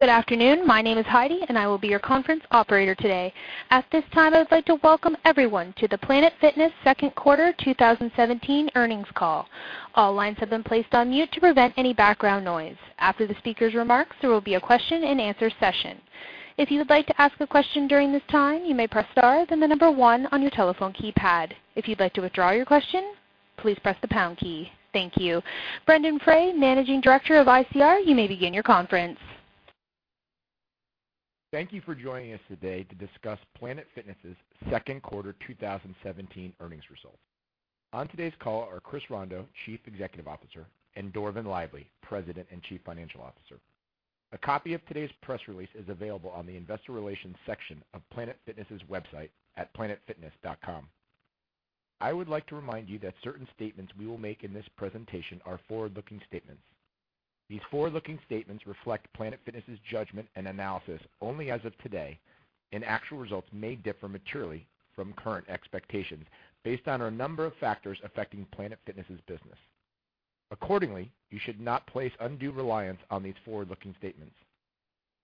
Good afternoon. My name is Heidi, and I will be your conference operator today. At this time, I would like to welcome everyone to the Planet Fitness Second Quarter 2017 Earnings Call. All lines have been placed on mute to prevent any background noise. After the speaker's remarks, there will be a question and answer session. If you would like to ask a question during this time, you may press star, then the number one on your telephone keypad. If you'd like to withdraw your question, please press the pound key. Thank you. Brendon Frey, Managing Director of ICR, you may begin your conference. Thank you for joining us today to discuss Planet Fitness' second quarter 2017 earnings results. On today's call are Chris Rondeau, Chief Executive Officer, and Dorvin Lively, President and Chief Financial Officer. A copy of today's press release is available on the investor relations section of planetfitness.com. I would like to remind you that certain statements we will make in this presentation are forward-looking statements. These forward-looking statements reflect Planet Fitness' judgment and analysis only as of today, and actual results may differ materially from current expectations based on a number of factors affecting Planet Fitness' business. You should not place undue reliance on these forward-looking statements.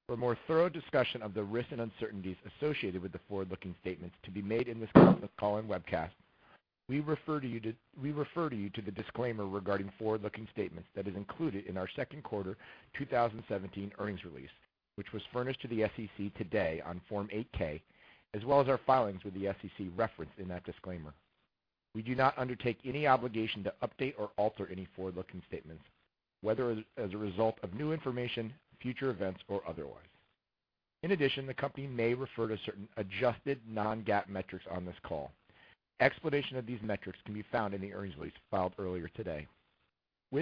For a more thorough discussion of the risks and uncertainties associated with the forward-looking statements to be made in this call and webcast, we refer you to the disclaimer regarding forward-looking statements that is included in our second quarter 2017 earnings release, which was furnished to the SEC today on Form 8-K, as well as our filings with the SEC referenced in that disclaimer. We do not undertake any obligation to update or alter any forward-looking statements, whether as a result of new information, future events, or otherwise. The company may refer to certain adjusted non-GAAP metrics on this call. Explanation of these metrics can be found in the earnings release filed earlier today.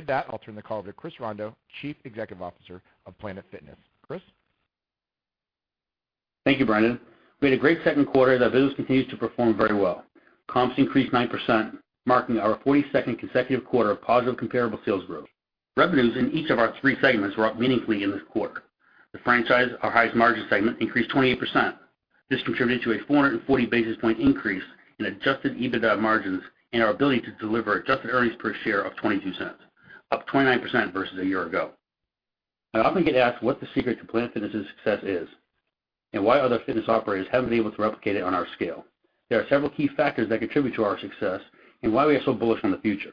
I'll turn the call over to Chris Rondeau, Chief Executive Officer of Planet Fitness. Chris? Thank you, Brendon. We had a great second quarter that business continues to perform very well. Comps increased 9%, marking our 42nd consecutive quarter of positive comparable sales growth. Revenues in each of our three segments were up meaningfully in this quarter. The franchise, our highest margin segment, increased 28%. This contributed to a 440 basis point increase in adjusted EBITDA margins and our ability to deliver adjusted earnings per share of $0.22, up 29% versus a year ago. I often get asked what the secret to Planet Fitness' success is, and why other fitness operators haven't been able to replicate it on our scale. There are several key factors that contribute to our success and why we are so bullish on the future.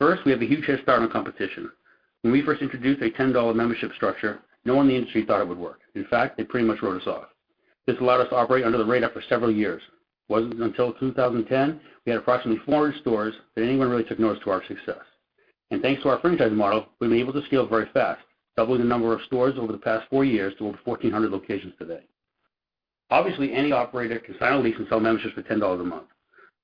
We have a huge head start on competition. When we first introduced a $10 membership structure, no one in the industry thought it would work. In fact, they pretty much wrote us off. This allowed us to operate under the radar for several years. It wasn't until 2010 we had approximately 400 stores that anyone really took notice to our success. Thanks to our franchise model, we've been able to scale very fast, doubling the number of stores over the past four years to over 1,400 locations today. Obviously, any operator can sign a lease and sell memberships for $10 a month.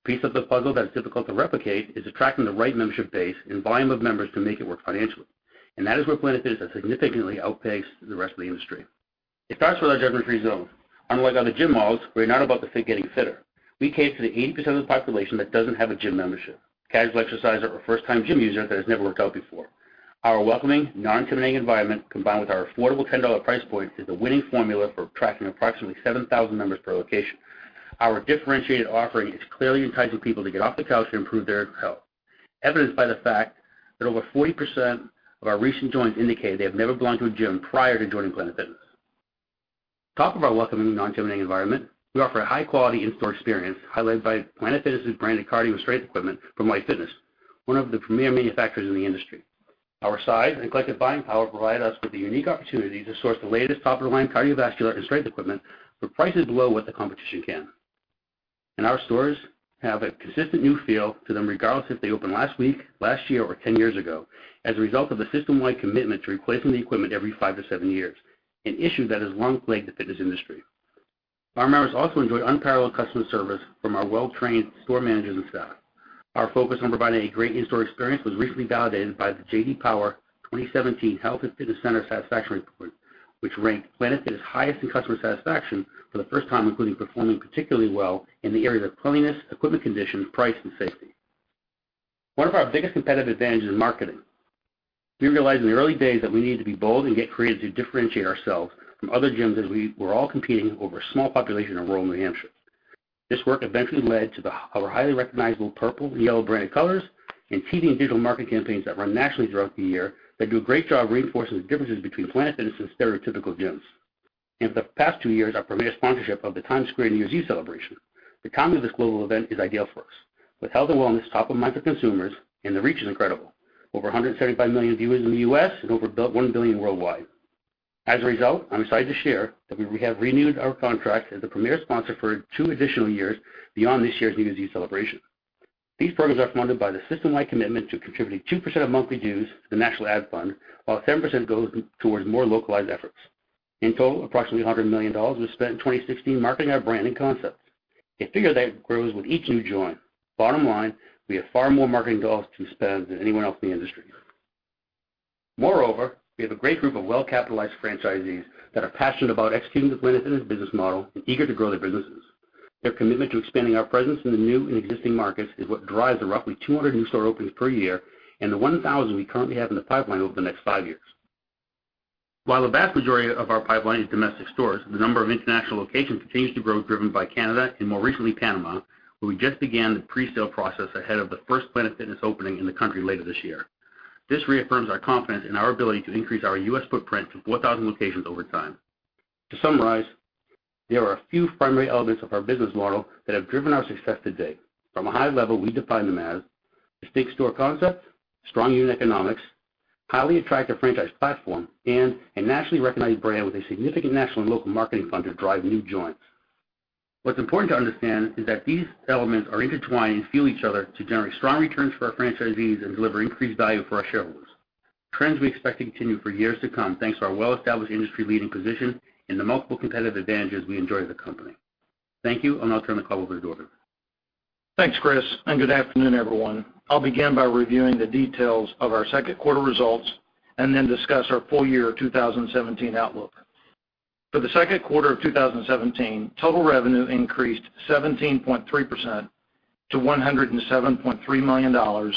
The piece of the puzzle that's difficult to replicate is attracting the right membership base and volume of members to make it work financially, and that is where Planet Fitness significantly outpaces the rest of the industry. It starts with our Judgement Free Zone. Unlike other gym models, we are not about the fit getting fitter. We cater to the 80% of the population that doesn't have a gym membership, casual exerciser, or first-time gym user that has never worked out before. Our welcoming, non-intimidating environment, combined with our affordable $10 price point, is a winning formula for attracting approximately 7,000 members per location. Our differentiated offering is clearly enticing people to get off the couch and improve their health, evidenced by the fact that over 40% of our recent joins indicate they have never belonged to a gym prior to joining Planet Fitness. On top of our welcoming, non-intimidating environment, we offer a high-quality in-store experience highlighted by Planet Fitness' branded cardio and strength equipment from Life Fitness, one of the premier manufacturers in the industry. Our size and collective buying power provide us with the unique opportunity to source the latest top-of-the-line cardiovascular and strength equipment for prices below what the competition can. Our stores have a consistent new feel to them regardless if they opened last week, last year, or 10 years ago, as a result of a system-wide commitment to replacing the equipment every five to seven years, an issue that has long plagued the fitness industry. Our members also enjoy unparalleled customer service from our well-trained store managers and staff. Our focus on providing a great in-store experience was recently validated by the J.D. Power 2017 Health and Fitness Center Satisfaction Report, which ranked Planet Fitness highest in customer satisfaction for the first time, including performing particularly well in the areas of cleanliness, equipment condition, price, and safety. One of our biggest competitive advantages is marketing. We realized in the early days that we needed to be bold and get creative to differentiate ourselves from other gyms, as we were all competing over a small population in rural New Hampshire. This work eventually led to our highly recognizable purple and yellow branded colors and TV and digital marketing campaigns that run nationally throughout the year that do a great job reinforcing the differences between Planet Fitness and stereotypical gyms. In the past two years, our premier sponsorship of the Times Square New Year's Eve celebration. The timing of this global event is ideal for us, with health and wellness top of mind for consumers, and the reach is incredible. Over 175 million viewers in the U.S. and over 1 billion worldwide. As a result, I'm excited to share that we have renewed our contract as the premier sponsor for two additional years beyond this year's New Year's Eve celebration. These programs are funded by the system-wide commitment to contributing 2% of monthly dues to the national ad fund, while 7% goes towards more localized efforts. In total, approximately $100 million was spent in 2016 marketing our brand and concept, a figure that grows with each new join. Bottom line, we have far more marketing dollars to spend than anyone else in the industry. Moreover, we have a great group of well-capitalized franchisees that are passionate about executing the Planet Fitness business model and eager to grow their businesses. Their commitment to expanding our presence in the new and existing markets is what drives the roughly 200 new store openings per year and the 1,000 we currently have in the pipeline over the next five years. While the vast majority of our pipeline is domestic stores, the number of international locations continues to grow, driven by Canada and more recently Panama, where we just began the presale process ahead of the first Planet Fitness opening in the country later this year. This reaffirms our confidence in our ability to increase our U.S. footprint to 4,000 locations over time. To summarize, there are a few primary elements of our business model that have driven our success to date. From a high level, we define them as distinct store concepts, strong unit economics, highly attractive franchise platform, and a nationally recognized brand with a significant national and local marketing fund to drive new joins. What's important to understand is that these elements are intertwined and fuel each other to generate strong returns for our franchisees and deliver increased value for our shareholders. Trends we expect to continue for years to come, thanks to our well-established industry leading position and the multiple competitive advantages we enjoy as a company. Thank you. I'll now turn the call over to Dorvin. Thanks, Chris. Good afternoon, everyone. I'll begin by reviewing the details of our second quarter results. Then discuss our full year 2017 outlook. For the second quarter of 2017, total revenue increased 17.3% to $107.3 million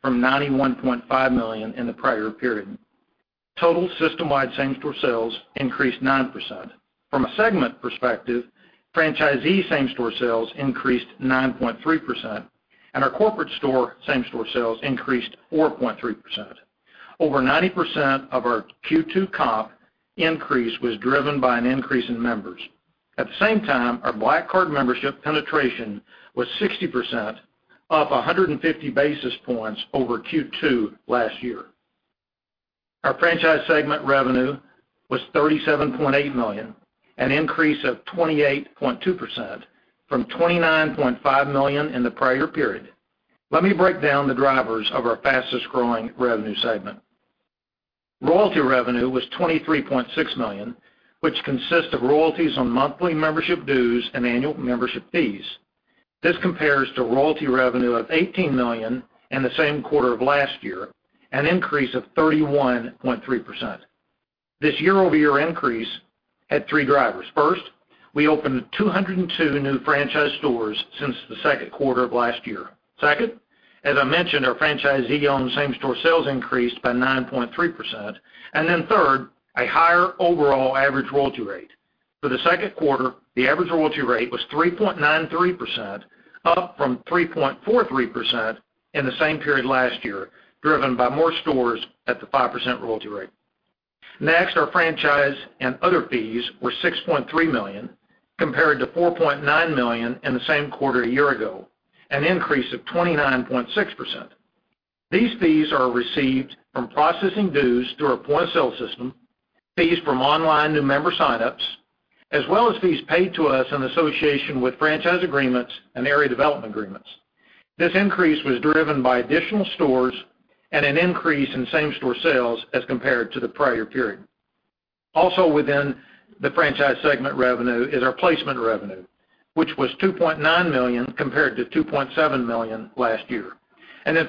from $91.5 million in the prior period. Total system-wide same-store sales increased 9%. From a segment perspective, franchisee same-store sales increased 9.3%. Our corporate store same-store sales increased 4.3%. Over 90% of our Q2 comp increase was driven by an increase in members. At the same time, our PF Black Card membership penetration was 60%, up 150 basis points over Q2 last year. Our franchise segment revenue was $37.8 million, an increase of 28.2% from $29.5 million in the prior period. Let me break down the drivers of our fastest-growing revenue segment. Royalty revenue was $23.6 million, which consists of royalties on monthly membership dues and annual membership fees. This compares to royalty revenue of $18 million in the same quarter of last year, an increase of 31.3%. This year-over-year increase had three drivers. First, we opened 202 new franchise stores since the second quarter of last year. Second, as I mentioned, our franchisee owned same-store sales increased by 9.3%. Third, a higher overall average royalty rate. For the second quarter, the average royalty rate was 3.93%, up from 3.43% in the same period last year, driven by more stores at the 5% royalty rate. Next, our franchise and other fees were $6.3 million, compared to $4.9 million in the same quarter a year ago, an increase of 29.6%. These fees are received from processing dues through our point-of-sale system, fees from online new member signups, as well as fees paid to us in association with franchise agreements and area development agreements. This increase was driven by additional stores and an increase in same-store sales as compared to the prior period. Also within the franchise segment revenue is our placement revenue, which was $2.9 million compared to $2.7 million last year.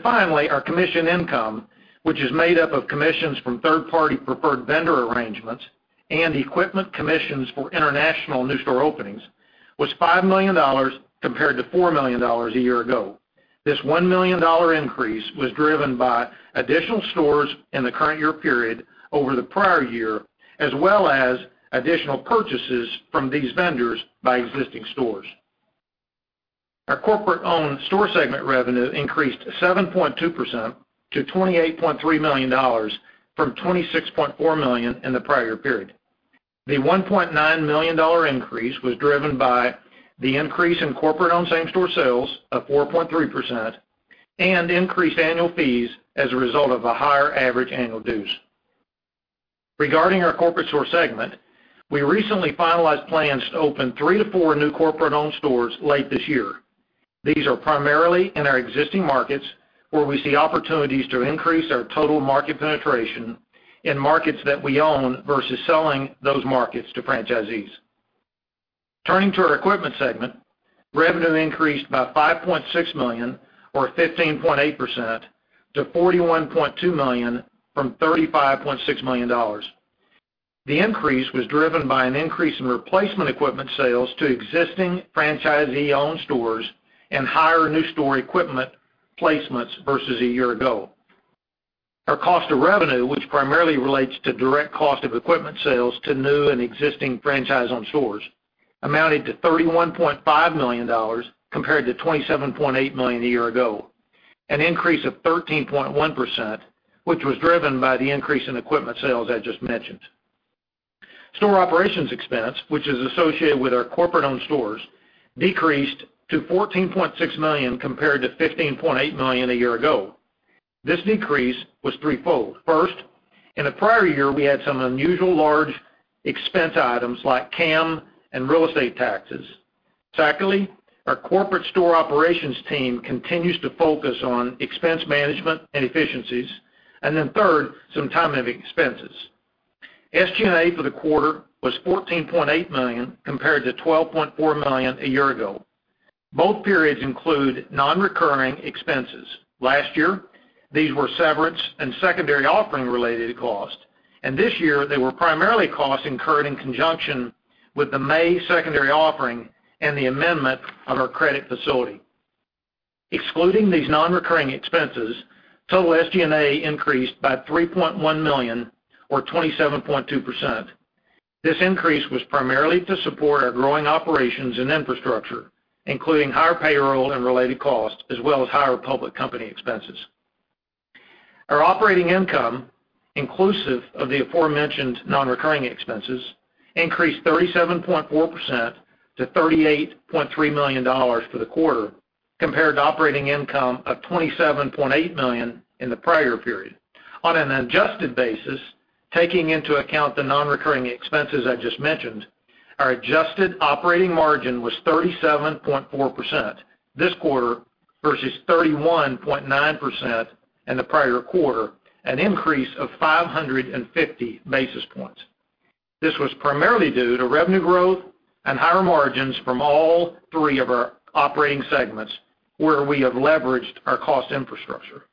Finally, our commission income, which is made up of commissions from third party preferred vendor arrangements and equipment commissions for international new store openings, was $5 million compared to $4 million a year ago. This $1 million increase was driven by additional stores in the current year period over the prior year, as well as additional purchases from these vendors by existing stores. Our corporate-owned store segment revenue increased 7.2% to $28.3 million from $26.4 million in the prior period. The $1.9 million increase was driven by the increase in corporate-owned same-store sales of 4.3% and increased annual fees as a result of a higher average annual dues. Regarding our corporate store segment, we recently finalized plans to open three to four new corporate-owned stores late this year. These are primarily in our existing markets, where we see opportunities to increase our total market penetration in markets that we own versus selling those markets to franchisees. Turning to our equipment segment, revenue increased by $5.6 million or 15.8% to $41.2 million from $35.6 million. The increase was driven by an increase in replacement equipment sales to existing franchisee-owned stores and higher new store equipment placements versus a year ago. Our cost of revenue, which primarily relates to direct cost of equipment sales to new and existing franchise-owned stores, amounted to $31.5 million compared to $27.8 million a year ago. An increase of 13.1%, which was driven by the increase in equipment sales I just mentioned. Store operations expense, which is associated with our corporate-owned stores, decreased to $14.6 million compared to $15.8 million a year ago. This decrease was threefold. First, in the prior year, we had some unusual large expense items like CAM and real estate taxes. Secondly, our corporate store operations team continues to focus on expense management and efficiencies. Third, some timing of expenses. SG&A for the quarter was $14.8 million, compared to $12.4 million a year ago. Both periods include non-recurring expenses. Last year, these were severance and secondary offering related costs. This year, they were primarily costs incurred in conjunction with the May secondary offering and the amendment of our credit facility. Excluding these non-recurring expenses, total SG&A increased by $3.1 million or 27.2%. This increase was primarily to support our growing operations and infrastructure, including higher payroll and related costs, as well as higher public company expenses. Our operating income, inclusive of the aforementioned non-recurring expenses, increased 37.4% to $38.3 million for the quarter compared to operating income of $27.8 million in the prior period. On an adjusted basis, taking into account the non-recurring expenses I just mentioned, our adjusted operating margin was 37.4% this quarter versus 31.9% in the prior quarter, an increase of 550 basis points. This was primarily due to revenue growth and higher margins from all three of our operating segments where we have leveraged our cost infrastructure.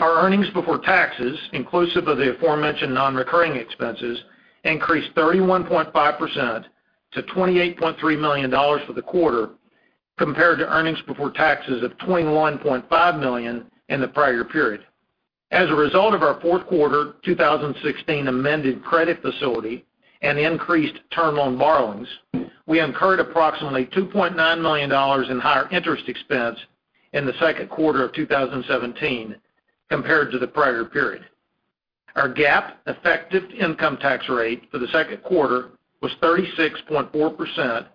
Our earnings before taxes, inclusive of the aforementioned non-recurring expenses, increased 31.5% to $28.3 million for the quarter compared to earnings before taxes of $21.5 million in the prior period. As a result of our fourth quarter 2016 amended credit facility and increased term loan borrowings, we incurred approximately $2.9 million in higher interest expense in the second quarter of 2017 compared to the prior period. Our GAAP effective income tax rate for the second quarter was 36.4%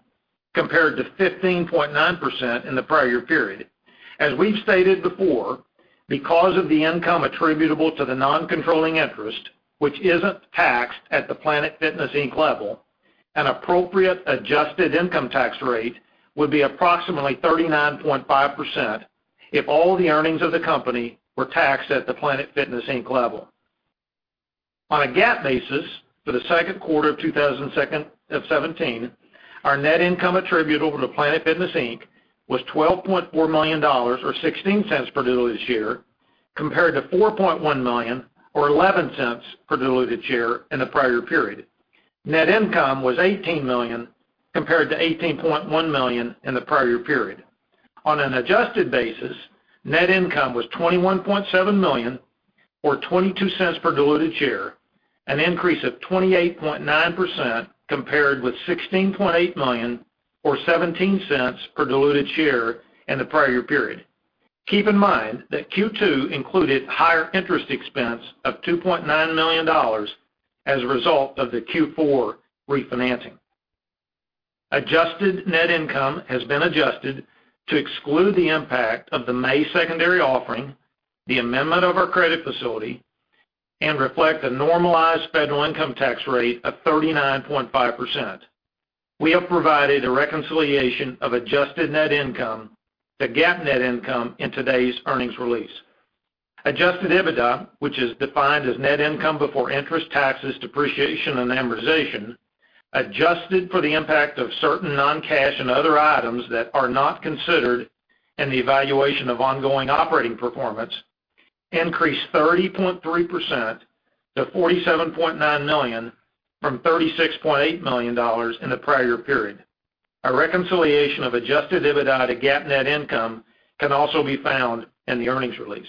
compared to 15.9% in the prior period. As we've stated before, because of the income attributable to the non-controlling interest, which isn't taxed at the Planet Fitness, Inc. level, an appropriate adjusted income tax rate would be approximately 39.5% if all the earnings of the company were taxed at the Planet Fitness, Inc. level. On a GAAP basis for the second quarter of 2017, our net income attributable to Planet Fitness, Inc. was $12.4 million or $0.16 per diluted share, compared to $4.1 million or $0.11 per diluted share in the prior period. Net income was $18 million compared to $18.1 million in the prior period. On an adjusted basis, net income was $21.7 million or $0.22 per diluted share, an increase of 28.9% compared with $16.8 million or $0.17 per diluted share in the prior period. Keep in mind that Q2 included higher interest expense of $2.9 million as a result of the Q4 refinancing. Adjusted net income has been adjusted to exclude the impact of the May secondary offering, the amendment of our credit facility, and reflect a normalized federal income tax rate of 39.5%. We have provided a reconciliation of adjusted net income to GAAP net income in today's earnings release. Adjusted EBITDA, which is defined as net income before interest, taxes, depreciation, and amortization, adjusted for the impact of certain non-cash and other items that are not considered in the evaluation of ongoing operating performance, increased 30.3% to $47.9 million from $36.8 million in the prior period. A reconciliation of adjusted EBITDA to GAAP net income can also be found in the earnings release.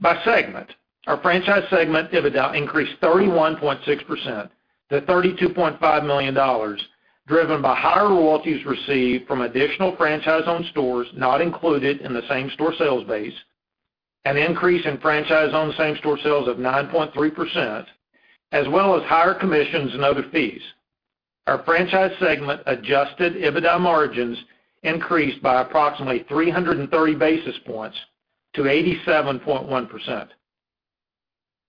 By segment, our franchise segment EBITDA increased 31.6% to $32.5 million, driven by higher royalties received from additional franchise-owned stores not included in the same-store sales base, an increase in franchise-owned same-store sales of 9.3%, as well as higher commissions and other fees. Our franchise segment adjusted EBITDA margins increased by approximately 330 basis points to 87.1%.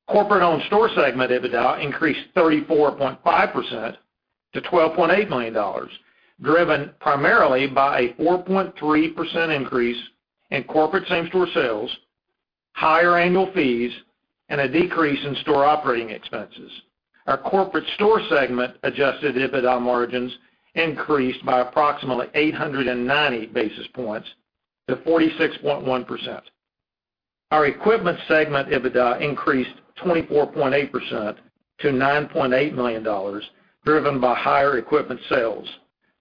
Corporate-owned store segment EBITDA increased 34.5% to $12.8 million, driven primarily by a 4.3% increase in corporate same-store sales, higher annual fees, and a decrease in store operating expenses. Our corporate store segment adjusted EBITDA margins increased by approximately 890 basis points to 46.1%. Our equipment segment EBITDA increased 24.8% to $9.8 million, driven by higher equipment sales.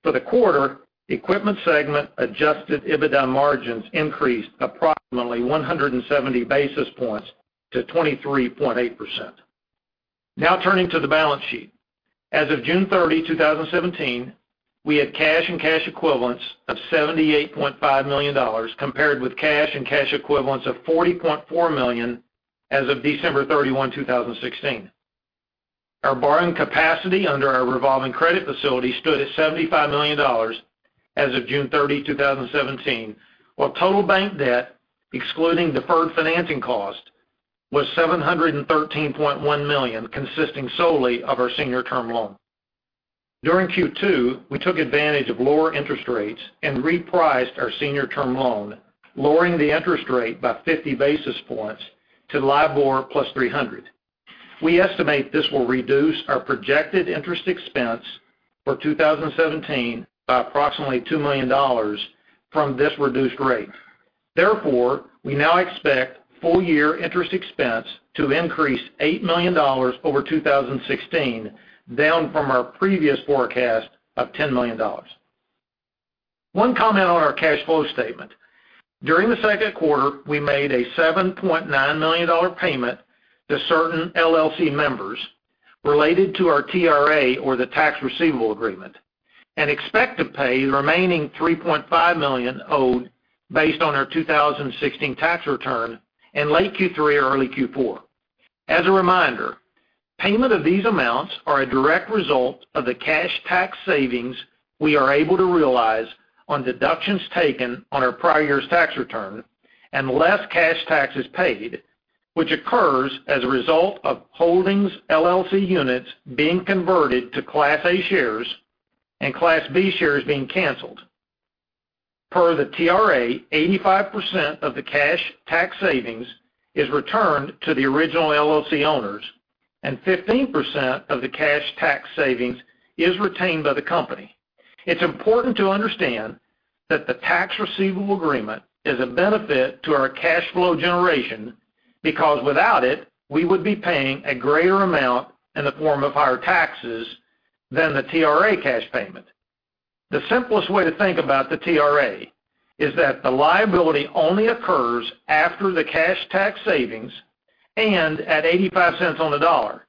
For the quarter, equipment segment adjusted EBITDA margins increased approximately 170 basis points to 23.8%. Now turning to the balance sheet. As of June 30, 2017, we had cash and cash equivalents of $78.5 million, compared with cash and cash equivalents of $40.4 million as of December 31, 2016. Our borrowing capacity under our revolving credit facility stood at $75 million as of June 30, 2017, while total bank debt, excluding deferred financing cost, was $713.1 million, consisting solely of our senior term loan. During Q2, we took advantage of lower interest rates and repriced our senior term loan, lowering the interest rate by 50 basis points to LIBOR plus 300. We estimate this will reduce our projected interest expense for 2017 by approximately $2 million from this reduced rate. We now expect full year interest expense to increase $8 million over 2016, down from our previous forecast of $10 million. One comment on our cash flow statement. During the second quarter, we made a $7.9 million payment to certain LLC members related to our TRA or the tax receivable agreement and expect to pay the remaining $3.5 million owed based on our 2016 tax return in late Q3 or early Q4. As a reminder, payment of these amounts are a direct result of the cash tax savings we are able to realize on deductions taken on our prior year's tax return and less cash taxes paid, which occurs as a result of Holdings LLC units being converted to Class A shares and Class B shares being canceled. Per the TRA, 85% of the cash tax savings is returned to the original LLC owners and 15% of the cash tax savings is retained by the company. It's important to understand that the tax receivable agreement is a benefit to our cash flow generation because without it, we would be paying a greater amount in the form of higher taxes than the TRA cash payment. The simplest way to think about the TRA is that the liability only occurs after the cash tax savings and at $0.85 on the dollar.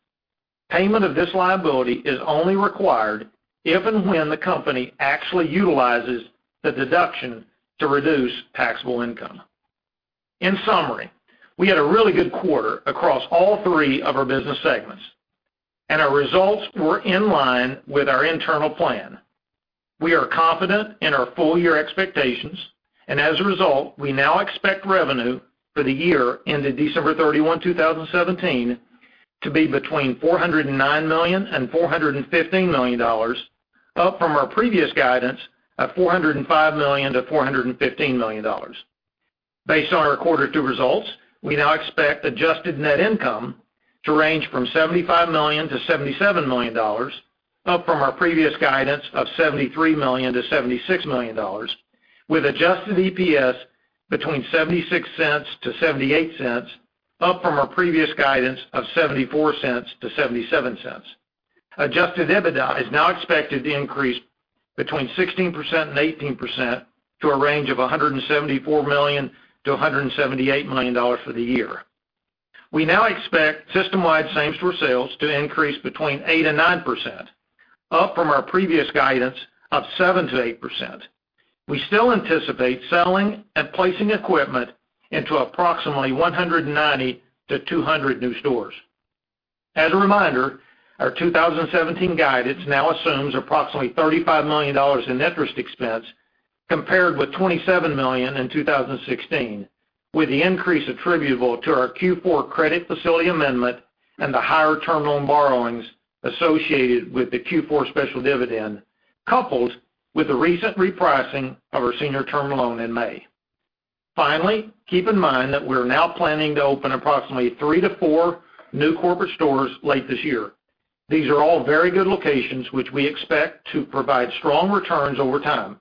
Payment of this liability is only required if and when the company actually utilizes the deduction to reduce taxable income. We had a really good quarter across all three of our business segments, and our results were in line with our internal plan. We are confident in our full-year expectations, and as a result, we now expect revenue for the year ended December 31, 2017, to be between $409 million and $415 million, up from our previous guidance of $405 million-$415 million. Based on our Quarter 2 results, we now expect adjusted net income to range from $75 million-$77 million, up from our previous guidance of $73 million-$76 million, with adjusted EPS between $0.76-$0.78, up from our previous guidance of $0.74-$0.77. Adjusted EBITDA is now expected to increase between 16% and 18% to a range of $174 million-$178 million for the year. We now expect system-wide same-store sales to increase between 8% and 9%, up from our previous guidance of 7%-8%. We still anticipate selling and placing equipment into approximately 190-200 new stores. As a reminder, our 2017 guidance now assumes approximately $35 million in net interest expense, compared with $27 million in 2016, with the increase attributable to our Q4 credit facility amendment and the higher term loan borrowings associated with the Q4 special dividend, coupled with the recent repricing of our senior term loan in May. Finally, keep in mind that we're now planning to open approximately 3 to 4 new corporate stores late this year. These are all very good locations which we expect to provide strong returns over time.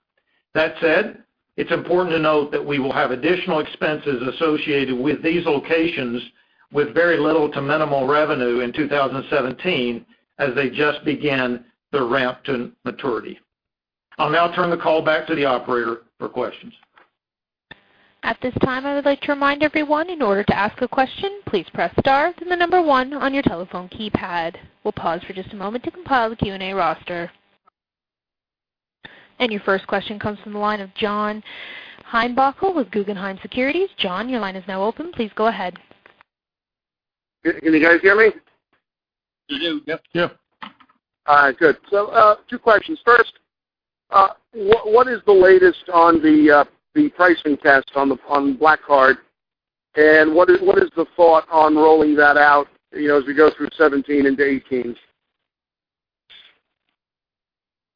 That said, it's important to note that we will have additional expenses associated with these locations with very little to minimal revenue in 2017, as they just began their ramp to maturity. I'll now turn the call back to the operator for questions. At this time, I would like to remind everyone, in order to ask a question, please press star, then the number 1 on your telephone keypad. We'll pause for just a moment to compile the Q&A roster. Your first question comes from the line of John Heinbockel with Guggenheim Securities. John, your line is now open. Please go ahead. Can you guys hear me? We do, yep. Yeah. All right, good. Two questions. First, what is the latest on the pricing test on Black Card, and what is the thought on rolling that out as we go through 2017 into 2018?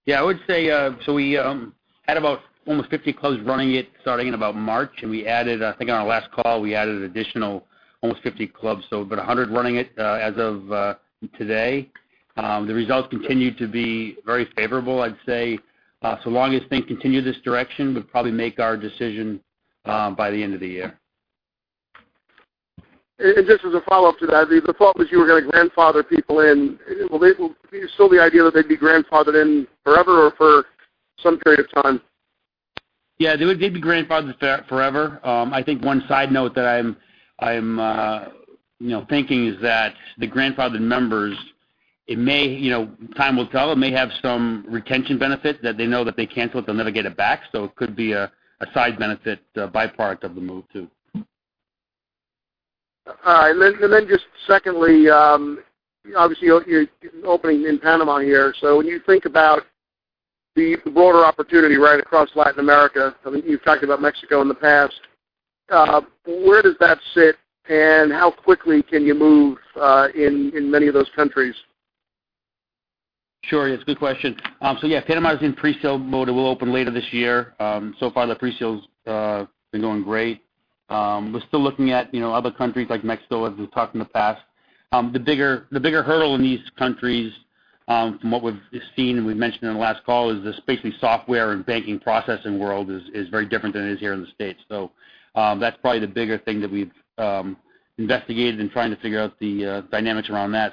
Yeah, I would say, we had about almost 50 clubs running it starting in about March, and I think on our last call, we added an additional almost 50 clubs, about 100 running it as of today. The results continue to be very favorable. I'd say so long as things continue this direction, we'll probably make our decision by the end of the year. Just as a follow-up to that, the thought was you were going to grandfather people in. Is still the idea that they'd be grandfathered in forever or for some period of time? Yeah. They'd be grandfathered forever. I think one side note that I'm thinking is that the grandfathered members, time will tell, it may have some retention benefit that they know that they cancel it, they'll never get it back. It could be a side benefit by-product of the move, too. All right. Secondly, obviously, you're opening in Panama here, so when you think about the broader opportunity right across Latin America, I mean, you've talked about Mexico in the past, where does that sit and how quickly can you move in many of those countries? Sure. Yeah, it's a good question. Panama is in pre-sale mode and will open later this year. So far, the pre-sale's been going great. We're still looking at other countries like Mexico, as we've talked in the past. The bigger hurdle in these countries from what we've seen and we mentioned on the last call is just basically software and banking processing world is very different than it is here in the States. That's probably the bigger thing that we've investigated in trying to figure out the dynamics around that.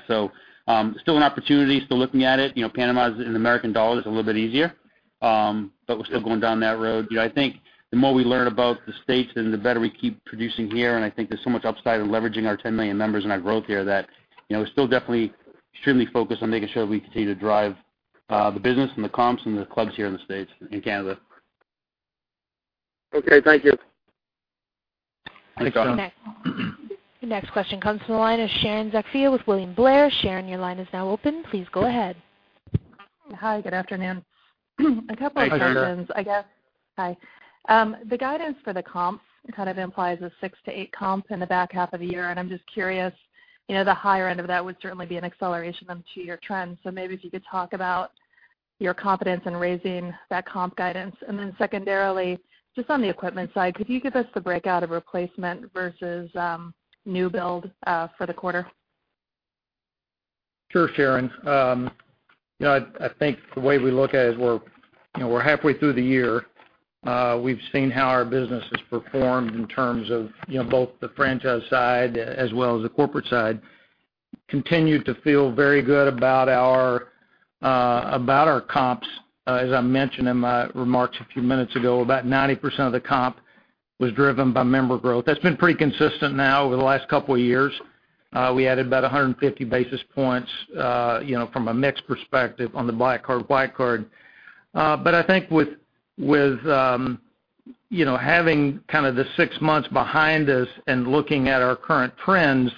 Still an opportunity, still looking at it. Panama is in U.S. dollars, it's a little bit easier. We're still going down that road. I think the more we learn about the States, and the better we keep producing here, and I think there's so much upside in leveraging our 10 million members and our growth here that we're still definitely extremely focused on making sure that we continue to drive the business and the comps and the clubs here in the States and Canada. Okay, thank you. Thanks, John. The next question comes from the line of Sharon Zackfia with William Blair. Sharon, your line is now open. Please go ahead. Hi, good afternoon. Hi, Sharon. A couple questions, I guess. Hi. The guidance for the comps kind of implies a 6-8 comp in the back half of the year. I'm just curious, the higher end of that would certainly be an acceleration of 2-year trends. Maybe if you could talk about your confidence in raising that comp guidance. Secondarily, just on the equipment side, could you give us the breakout of replacement versus new build, for the quarter? Sure, Sharon. I think the way we look at it is we're halfway through the year. We've seen how our business has performed in terms of both the franchise side as well as the corporate side. Continue to feel very good about our comps. As I mentioned in my remarks a few minutes ago, about 90% of the comp was driven by member growth. That's been pretty consistent now over the last couple of years. We added about 150 basis points, from a mix perspective on the Black Card, White Card. I think with having kind of the six months behind us and looking at our current trends,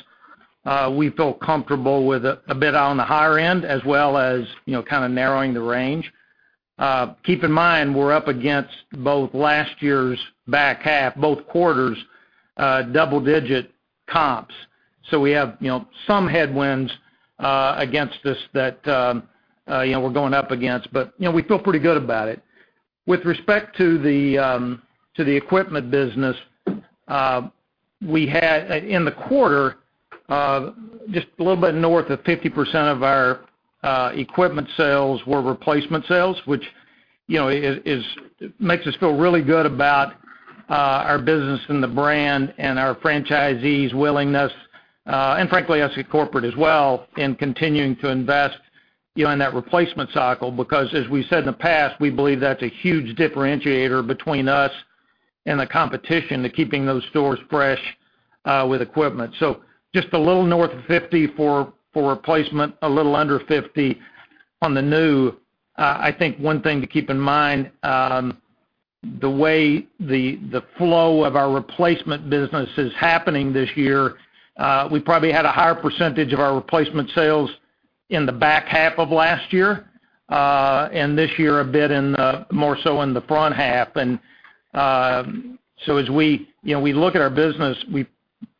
we feel comfortable with a bit on the higher end as well as, kind of narrowing the range. Keep in mind, we're up against both last year's back half, both quarters, double-digit comps. We have some headwinds, against us that we're going up against. We feel pretty good about it. With respect to the equipment business, in the quarter, just a little bit north of 50% of our equipment sales were replacement sales, which makes us feel really good about our business and the brand and our franchisees' willingness, and frankly, us at corporate as well, in continuing to invest in that replacement cycle. As we said in the past, we believe that's a huge differentiator between us and the competition to keeping those stores fresh with equipment. Just a little north of 50% for replacement, a little under 50% on the new. I think one thing to keep in mind, the way the flow of our replacement business is happening this year, we probably had a higher percentage of our replacement sales in the back half of last year, this year a bit more so in the front half. As we look at our business,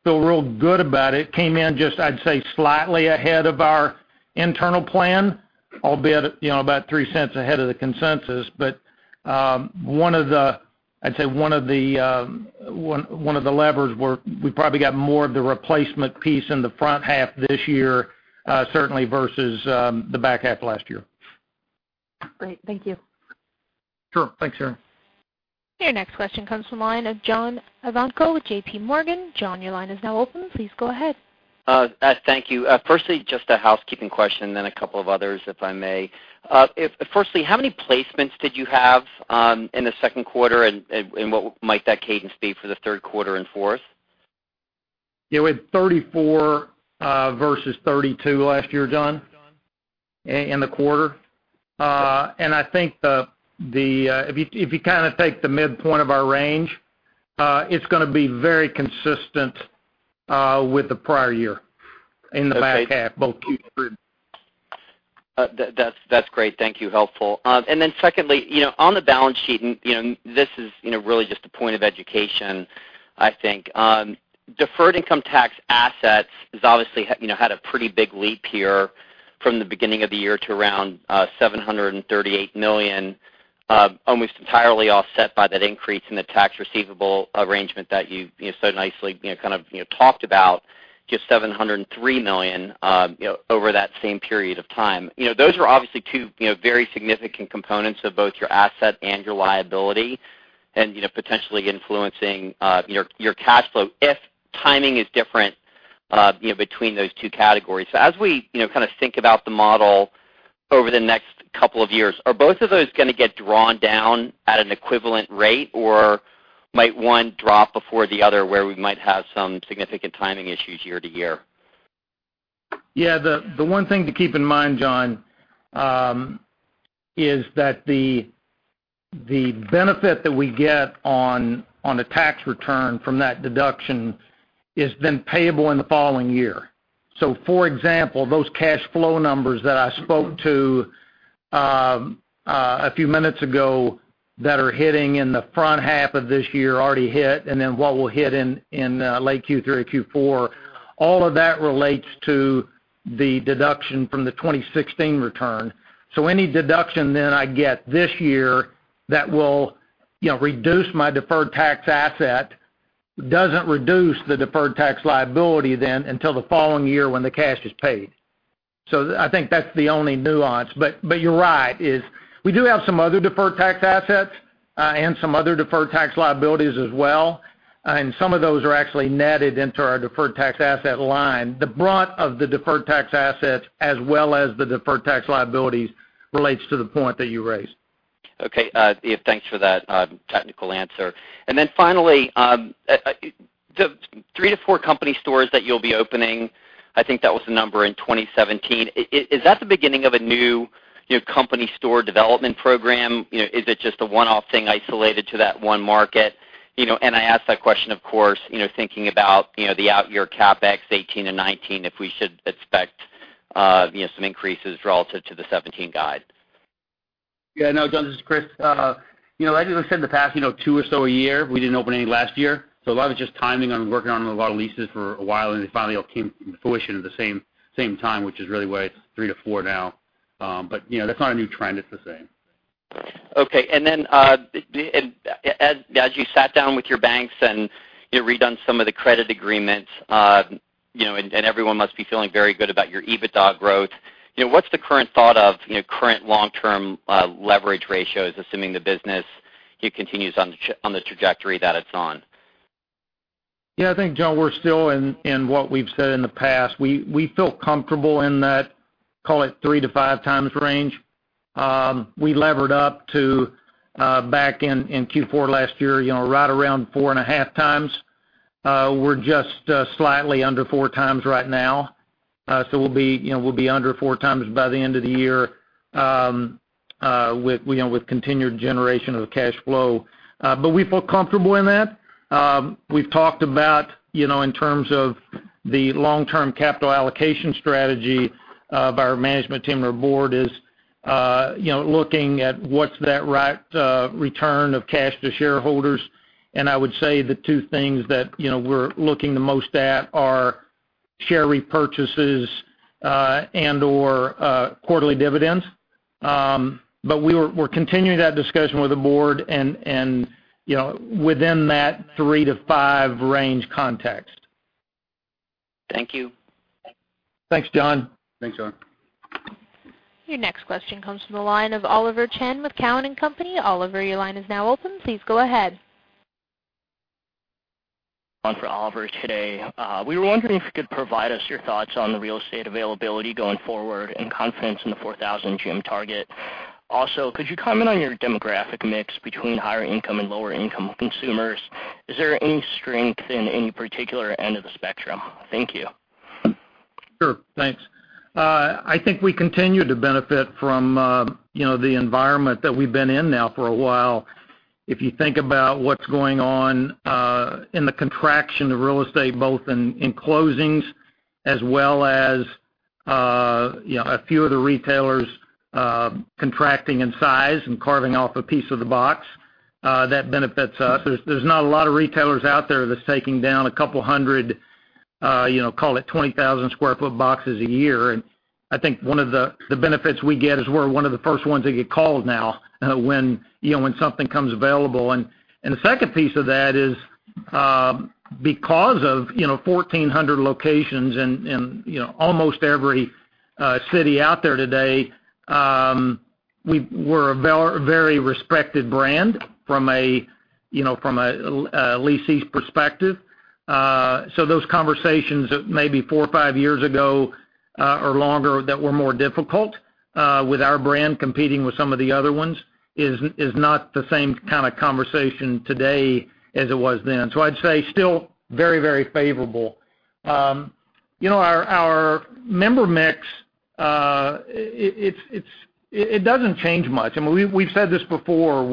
we feel real good about it. Came in just, I'd say, slightly ahead of our internal plan, albeit about $0.03 ahead of the consensus. I'd say one of the levers were we probably got more of the replacement piece in the front half this year, certainly versus the back half last year. Great. Thank you. Sure. Thanks, Sharon. Your next question comes from the line of John Ivankoe with JPMorgan. John, your line is now open. Please go ahead. Thank you. Firstly, just a housekeeping question, then a couple of others, if I may. Firstly, how many placements did you have in the second quarter, and what might that cadence be for the third quarter and fourth? Yeah, we had 34 versus 32 last year, John, in the quarter. I think if you take the midpoint of our range, it's going to be very consistent with the prior year in the back half, both Q3 and Q4. That's great. Thank you. Helpful. Secondly, on the balance sheet, this is really just a point of education, I think. Deferred income tax assets has obviously had a pretty big leap here from the beginning of the year to around $738 million, almost entirely offset by that increase in the tax receivable agreement that you so nicely talked about, just $703 million, over that same period of time. Those are obviously two very significant components of both your asset and your liability and potentially influencing your cash flow if timing is different between those two categories. As we think about the model over the next couple of years, are both of those going to get drawn down at an equivalent rate, or might one drop before the other where we might have some significant timing issues year to year? Yeah, the one thing to keep in mind, John, is that the benefit that we get on the tax return from that deduction is payable in the following year. For example, those cash flow numbers that I spoke to a few minutes ago that are hitting in the front half of this year already hit, what will hit in late Q3 or Q4, all of that relates to the deduction from the 2016 return. Any deduction I get this year that will reduce my deferred tax asset, doesn't reduce the deferred tax liability until the following year when the cash is paid. I think that's the only nuance. You're right, is we do have some other deferred tax assets and some other deferred tax liabilities as well. Some of those are actually netted into our deferred tax asset line. The brunt of the deferred tax assets, as well as the deferred tax liabilities, relates to the point that you raised. Thanks for that technical answer. Finally, the three to four company stores that you'll be opening, I think that was the number in 2017. Is that the beginning of a new company store development program? Is it just a one-off thing isolated to that one market? I ask that question, of course, thinking about the out year CapEx 2018 and 2019, if we should expect some increases relative to the 2017 guide. John, this is Chris. As we said in the past, two or so a year. We didn't open any last year. A lot of just timing on working on a lot of leases for a while, and they finally all came to fruition at the same time, which is really why it's three to four now. That's not a new trend. It's the same. Okay. As you sat down with your banks and redone some of the credit agreements, everyone must be feeling very good about your EBITDA growth. What's the current thought of current long-term leverage ratios, assuming the business continues on the trajectory that it's on? John, we're still in what we've said in the past. We feel comfortable in that, call it three to five times range. We levered up to back in Q4 last year, right around four and a half times. We're just slightly under four times right now. We'll be under four times by the end of the year with continued generation of cash flow. We feel comfortable in that. We've talked about in terms of the long-term capital allocation strategy of our management team and our board is looking at what's that right return of cash to shareholders. I would say the two things that we're looking the most at are share repurchases, and/or quarterly dividends. We're continuing that discussion with the board and within that three to five range context. Thank you. Thanks, John. Thanks, John. Your next question comes from the line of Oliver Chen with Cowen and Company. Oliver, your line is now open. Please go ahead. On for Oliver today. We were wondering if you could provide us your thoughts on the real estate availability going forward and confidence in the 4,000 gym target. Could you comment on your demographic mix between higher income and lower income consumers? Is there any strength in any particular end of the spectrum? Thank you. Sure. Thanks. I think we continue to benefit from the environment that we've been in now for a while. If you think about what's going on in the contraction of real estate, both in closings as well as a few of the retailers contracting in size and carving off a piece of the box, that benefits us. There's not a lot of retailers out there that's taking down a couple hundred, call it 20,000 square foot boxes a year. I think one of the benefits we get is we're one of the first ones that get called now when something comes available. The second piece of that is, because of 1,400 locations in almost every city out there today, we're a very respected brand from a lease perspective. Those conversations maybe four or five years ago or longer that were more difficult with our brand competing with some of the other ones is not the same kind of conversation today as it was then. I'd say still very, very favorable. Our member mix, it doesn't change much. I mean, we've said this before.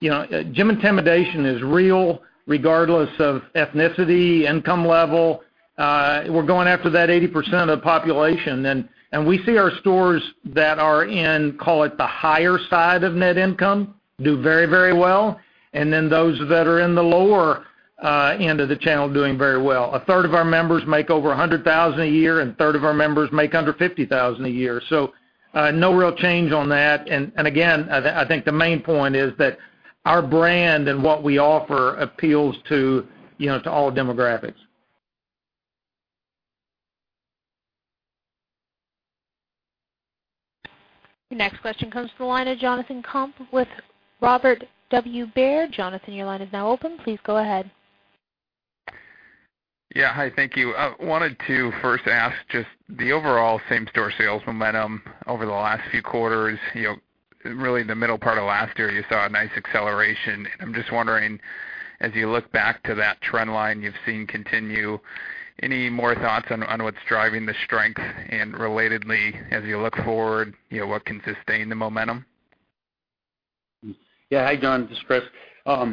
Gym intimidation is real regardless of ethnicity, income level. We're going after that 80% of the population. We see our stores that are in, call it, the higher side of net income do very, very well. Then those that are in the lower end of the channel doing very well. A third of our members make over $100,000 a year, a third of our members make under $50,000 a year. No real change on that. Again, I think the main point is that our brand and what we offer appeals to all demographics. Your next question comes from the line of Jonathan Komp with Robert W. Baird. Jonathan, your line is now open. Please go ahead. Yeah. Hi, thank you. I wanted to first ask just the overall same-store sales momentum over the last few quarters. Really the middle part of last year, you saw a nice acceleration. I'm just wondering, as you look back to that trend line you've seen continue, any more thoughts on what's driving the strength? Relatedly, as you look forward, what can sustain the momentum? Yeah. Hi, John, this is Chris. I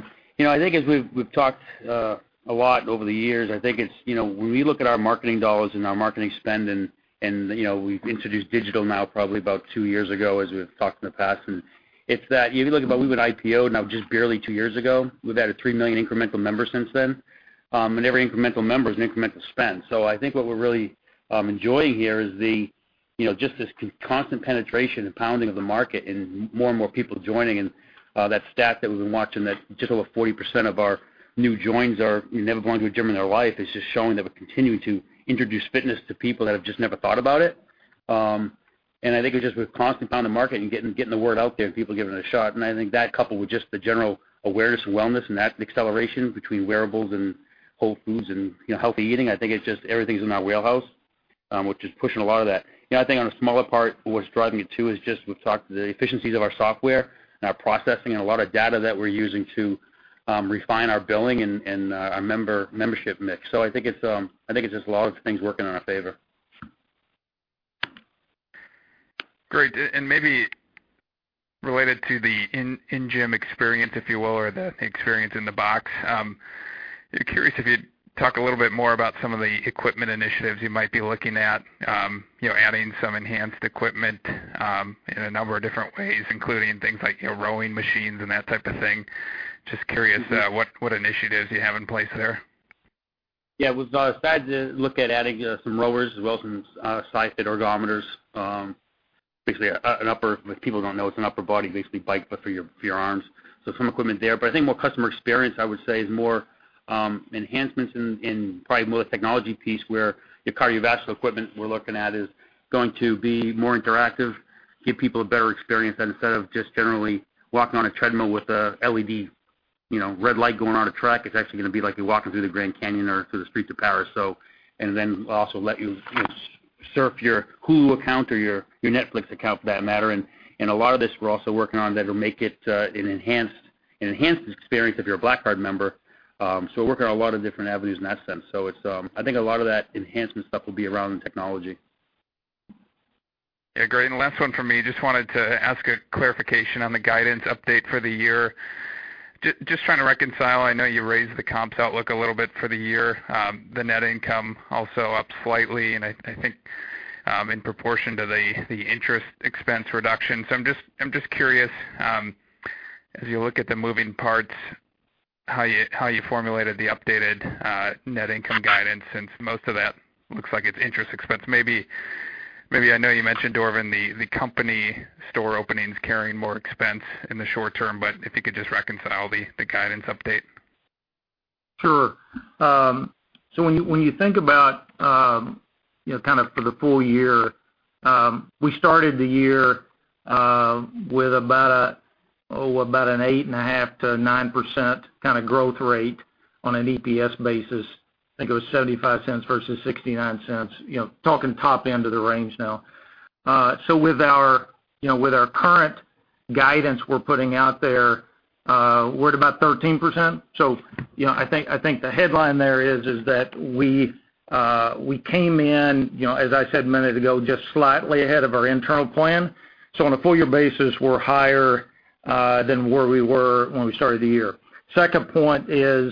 think as we've talked a lot over the years, I think it's when we look at our marketing dollars and our marketing spend. We've introduced digital now probably about two years ago as we've talked in the past. It's that if you look at when we went IPO now just barely two years ago, we've added 3 million incremental members since then. Every incremental member is an incremental spend. I think what we're really enjoying here is just this constant penetration and pounding of the market and more and more people joining, and that stat that we've been watching that just over 40% of our new joins are never going to a gym in their life is just showing that we're continuing to introduce fitness to people that have just never thought about it. I think it's just with constant pound the market and getting the word out there and people giving it a shot. I think that coupled with just the general awareness of wellness and that acceleration between wearables and whole foods and healthy eating, I think it's just everything's in our wheelhouse, which is pushing a lot of that. I think on a smaller part, what's driving it too is just we've talked the efficiencies of our software and our processing and a lot of data that we're using to refine our billing and our membership mix. I think it's just a lot of things working in our favor. Great. Maybe related to the in-gym experience, if you will, or the experience in the box, curious if you'd talk a little bit more about some of the equipment initiatives you might be looking at adding some enhanced equipment in a number of different ways, including things like rowing machines and that type of thing. Just curious what initiatives you have in place there. Yeah. We've started to look at adding some rowers as well, some Cybex ergometers. Basically, for people who don't know, it's an upper body, basically bike but for your arms. Some equipment there, but I think more customer experience, I would say, is more enhancements in probably more the technology piece where your cardiovascular equipment we're looking at is going to be more interactive, give people a better experience instead of just generally walking on a treadmill with a LED red light going on a track, it's actually going to be like you're walking through the Grand Canyon or through the streets of Paris. Then also let you surf your Hulu account or your Netflix account for that matter. A lot of this, we're also working on that'll make it an enhanced experience if you're a Black Card member. We're working on a lot of different avenues in that sense. I think a lot of that enhancement stuff will be around the technology. Yeah. Great. Last one from me. Just wanted to ask a clarification on the guidance update for the year. Just trying to reconcile, I know you raised the comps outlook a little bit for the year. The net income also up slightly, and I think in proportion to the interest expense reduction. I'm just curious, as you look at the moving parts, how you formulated the updated net income guidance, since most of that looks like it's interest expense. I know you mentioned, Dorvin, the company store openings carrying more expense in the short term, but if you could just reconcile the guidance update. When you think about for the full year, we started the year with about an 8.5%-9% kind of growth rate on an EPS basis. I think it was $0.75 versus $0.69, talking top end of the range now. With our current guidance we're putting out there, we're at about 13%. I think the headline there is that we came in, as I said a minute ago, just slightly ahead of our internal plan. On a full year basis, we're higher than where we were when we started the year. Second point is,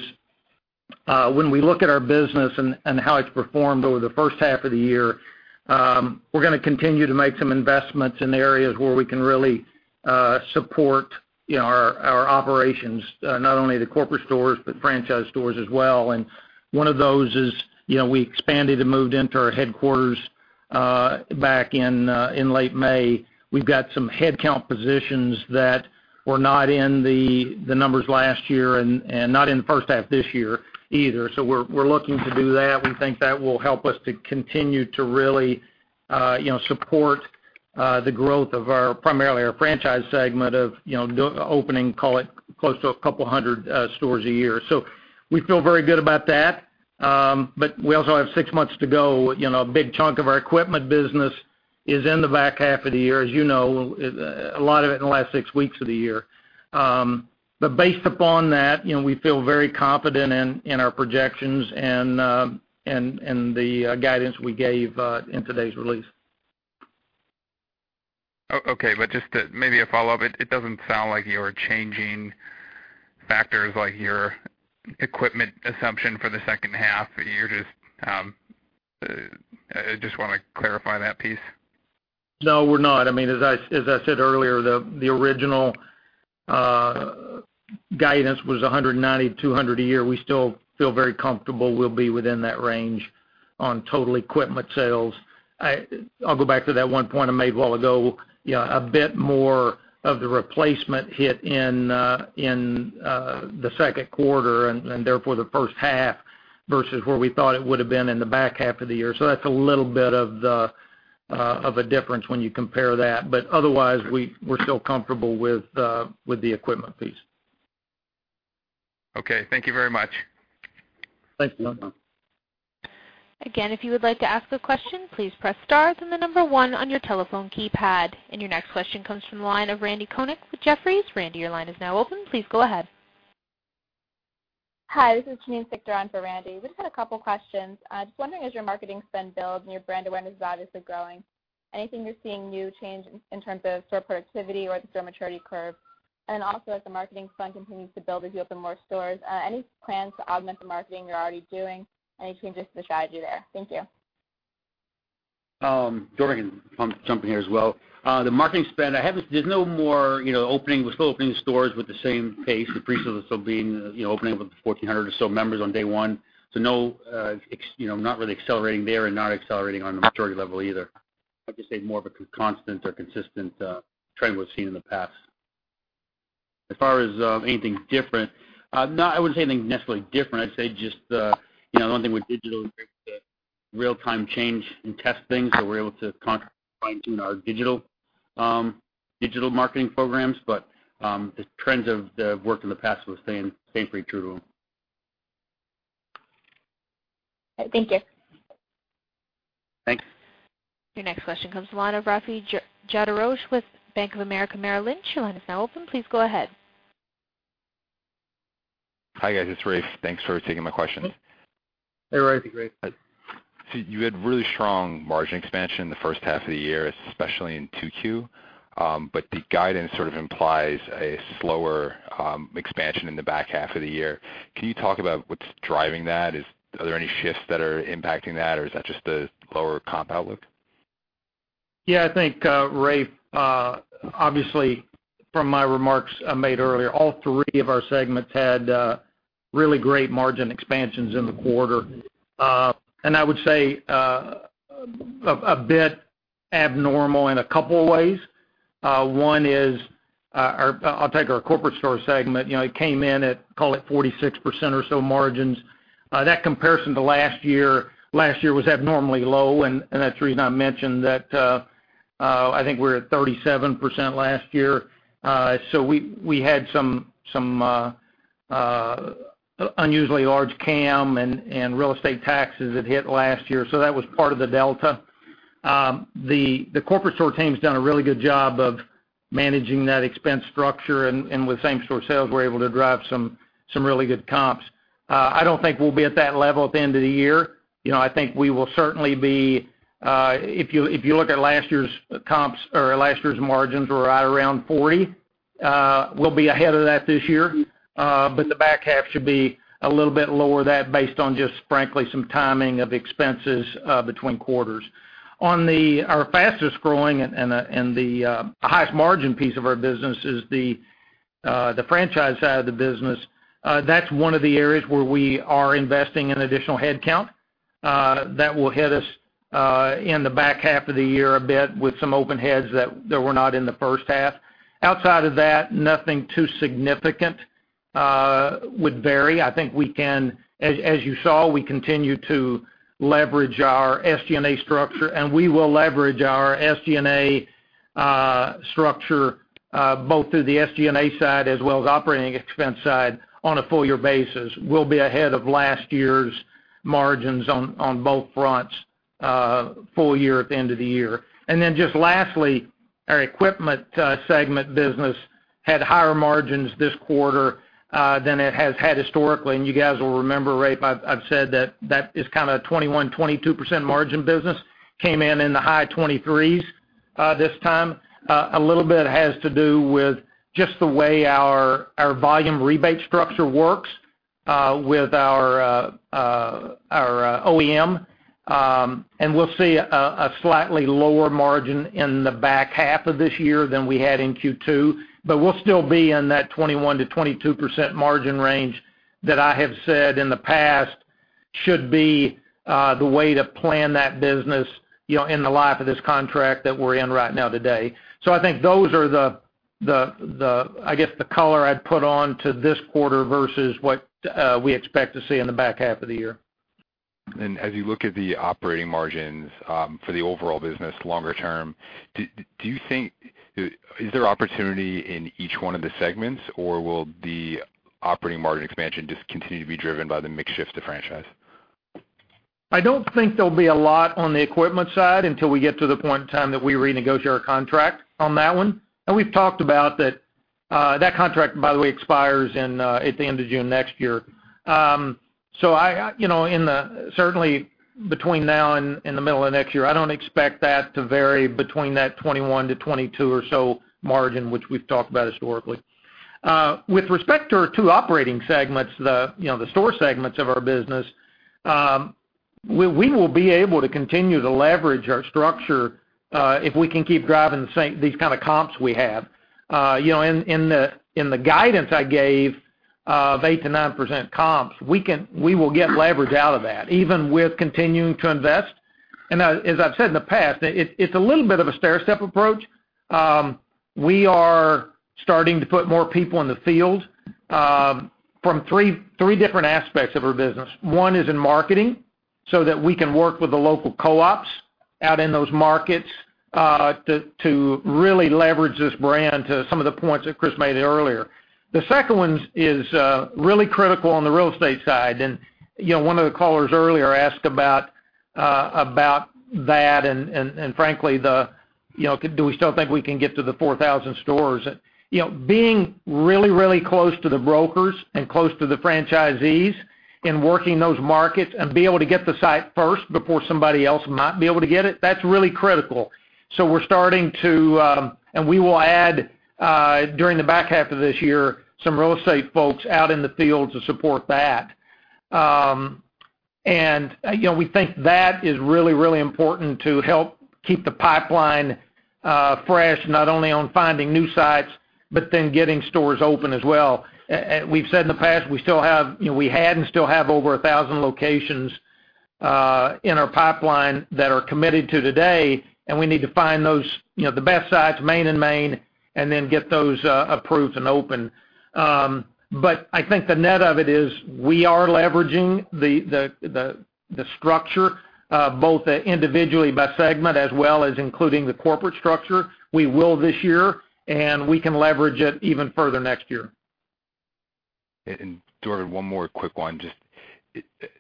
when we look at our business and how it's performed over the first half of the year, we're going to continue to make some investments in areas where we can really support our operations, not only the corporate stores, but franchise stores as well. One of those is we expanded and moved into our headquarters back in late May. We've got some headcount positions that were not in the numbers last year and not in the first half this year either. We're looking to do that. We think that will help us to continue to really support the growth of primarily our franchise segment of opening, call it, close to a couple hundred stores a year. We feel very good about that. We also have six months to go. A big chunk of our equipment business is in the back half of the year, as you know, a lot of it in the last six weeks of the year. Based upon that, we feel very confident in our projections and the guidance we gave in today's release. Okay, just maybe a follow-up. It doesn't sound like you are changing factors like your equipment assumption for the second half. I just want to clarify that piece. No, we're not. As I said earlier, the original guidance was 190-200 a year. We still feel very comfortable we'll be within that range on total equipment sales. I'll go back to that one point I made a while ago. A bit more of the replacement hit in the second quarter, and therefore the first half versus where we thought it would've been in the back half of the year. That's a little bit of a difference when you compare that. Otherwise, we're still comfortable with the equipment piece. Okay. Thank you very much. Thank you. You're welcome. Again, if you would like to ask a question, please press star then the number one on your telephone keypad. Your next question comes from the line of Randal Konik with Jefferies. Randy, your line is now open. Please go ahead. Hi, this is Janine Stichter on for Randy. We just had a couple questions. Just wondering, as your marketing spend builds and your brand awareness is obviously growing, anything you're seeing new change in terms of store productivity or the store maturity curve? Also as the marketing spend continues to build, as you open more stores, any plans to augment the marketing you're already doing? Any changes to the strategy there? Thank you. Dorvin can jump in here as well. The marketing spend, we're still opening stores with the same pace, the pre-sales still being opening up with the 1,400 or so members on day one. Not really accelerating there and not accelerating on the maturity level either. Like you say, more of a constant or consistent trend we've seen in the past. As far as anything different, no, I wouldn't say anything necessarily different. I'd say just the one thing with digital is the real-time change in test things that we're able to constantly find in our digital marketing programs. The trends of the work in the past will stay pretty true. Thank you. Thanks. Your next question comes from line of Rafe Jadrosich with Bank of America Merrill Lynch. Your line is now open. Please go ahead. Hi, guys. It's Raf. Thanks for taking my question. Hey, Rafi. Great. You had really strong margin expansion in the first half of the year, especially in Q2. The guidance sort of implies a slower expansion in the back half of the year. Can you talk about what's driving that? Are there any shifts that are impacting that, or is that just the lower comp outlook? Yeah, I think, Raf, obviously, from my remarks I made earlier, all three of our segments had really great margin expansions in the quarter. I would say, a bit abnormal in a couple of ways. One is, I'll take our corporate store segment. It came in at, call it 46% or so margins. That comparison to last year, last year was abnormally low, that's the reason I mentioned that I think we were at 37% last year. We had some unusually large CAM and real estate taxes that hit last year, that was part of the delta. The corporate store team's done a really good job of managing that expense structure, with same store sales, we're able to drive some really good comps. I don't think we'll be at that level at the end of the year. I think we will certainly be, if you look at last year's comps or last year's margins were right around 40%. We'll be ahead of that this year. The back half should be a little bit lower than that based on just, frankly, some timing of expenses between quarters. On our fastest-growing and the highest margin piece of our business is the franchise side of the business. That's one of the areas where we are investing in additional headcount. That will hit us in the back half of the year a bit with some open heads that were not in the first half. Outside of that, nothing too significant would vary. I think we can, as you saw, we continue to leverage our SG&A structure, we will leverage our SG&A structure both through the SG&A side as well as operating expense side on a full year basis. We'll be ahead of last year's margins on both fronts full year at the end of the year. Just lastly, our equipment segment business had higher margins this quarter than it has had historically, you guys will remember, Raf, I've said that that is kind of a 21%-22% margin business. Came in in the high 23% this time. A little bit has to do with just the way our volume rebate structure works with our OEM. We'll see a slightly lower margin in the back half of this year than we had in Q2, we'll still be in that 21%-22% margin range that I have said in the past should be the way to plan that business in the life of this contract that we're in right now today. I think those are the, I guess, the color I'd put on to this quarter versus what we expect to see in the back half of the year. As you look at the operating margins for the overall business longer term, is there opportunity in each one of the segments, or will the operating margin expansion just continue to be driven by the mix shift to franchise? I don't think there'll be a lot on the equipment side until we get to the point in time that we renegotiate our contract on that one. We've talked about that. That contract, by the way, expires at the end of June next year. Certainly between now and the middle of next year, I don't expect that to vary between that 21-22 or so margin, which we've talked about historically. With respect to our two operating segments, the store segments of our business, we will be able to continue to leverage our structure if we can keep driving these kind of comps we have. In the guidance I gave of 8%-9% comps, we will get leverage out of that, even with continuing to invest. As I've said in the past, it's a little bit of a stair-step approach. We are starting to put more people in the field from three different aspects of our business. One is in marketing so that we can work with the local co-ops out in those markets to really leverage this brand to some of the points that Chris made earlier. The second one is really critical on the real estate side. One of the callers earlier asked about that and frankly, do we still think we can get to the 4,000 stores? Being really, really close to the brokers and close to the franchisees in working those markets and be able to get the site first before somebody else might be able to get it, that's really critical. We will add, during the back half of this year, some real estate folks out in the field to support that. We think that is really, really important to help keep the pipeline fresh, not only on finding new sites, but then getting stores open as well. We've said in the past, we had and still have over 1,000 locations in our pipeline that are committed to today, and we need to find the best sites, main and main, and then get those approved and open. I think the net of it is we are leveraging the structure, both individually by segment as well as including the corporate structure. We will this year, and we can leverage it even further next year. Dorvin, one more quick one.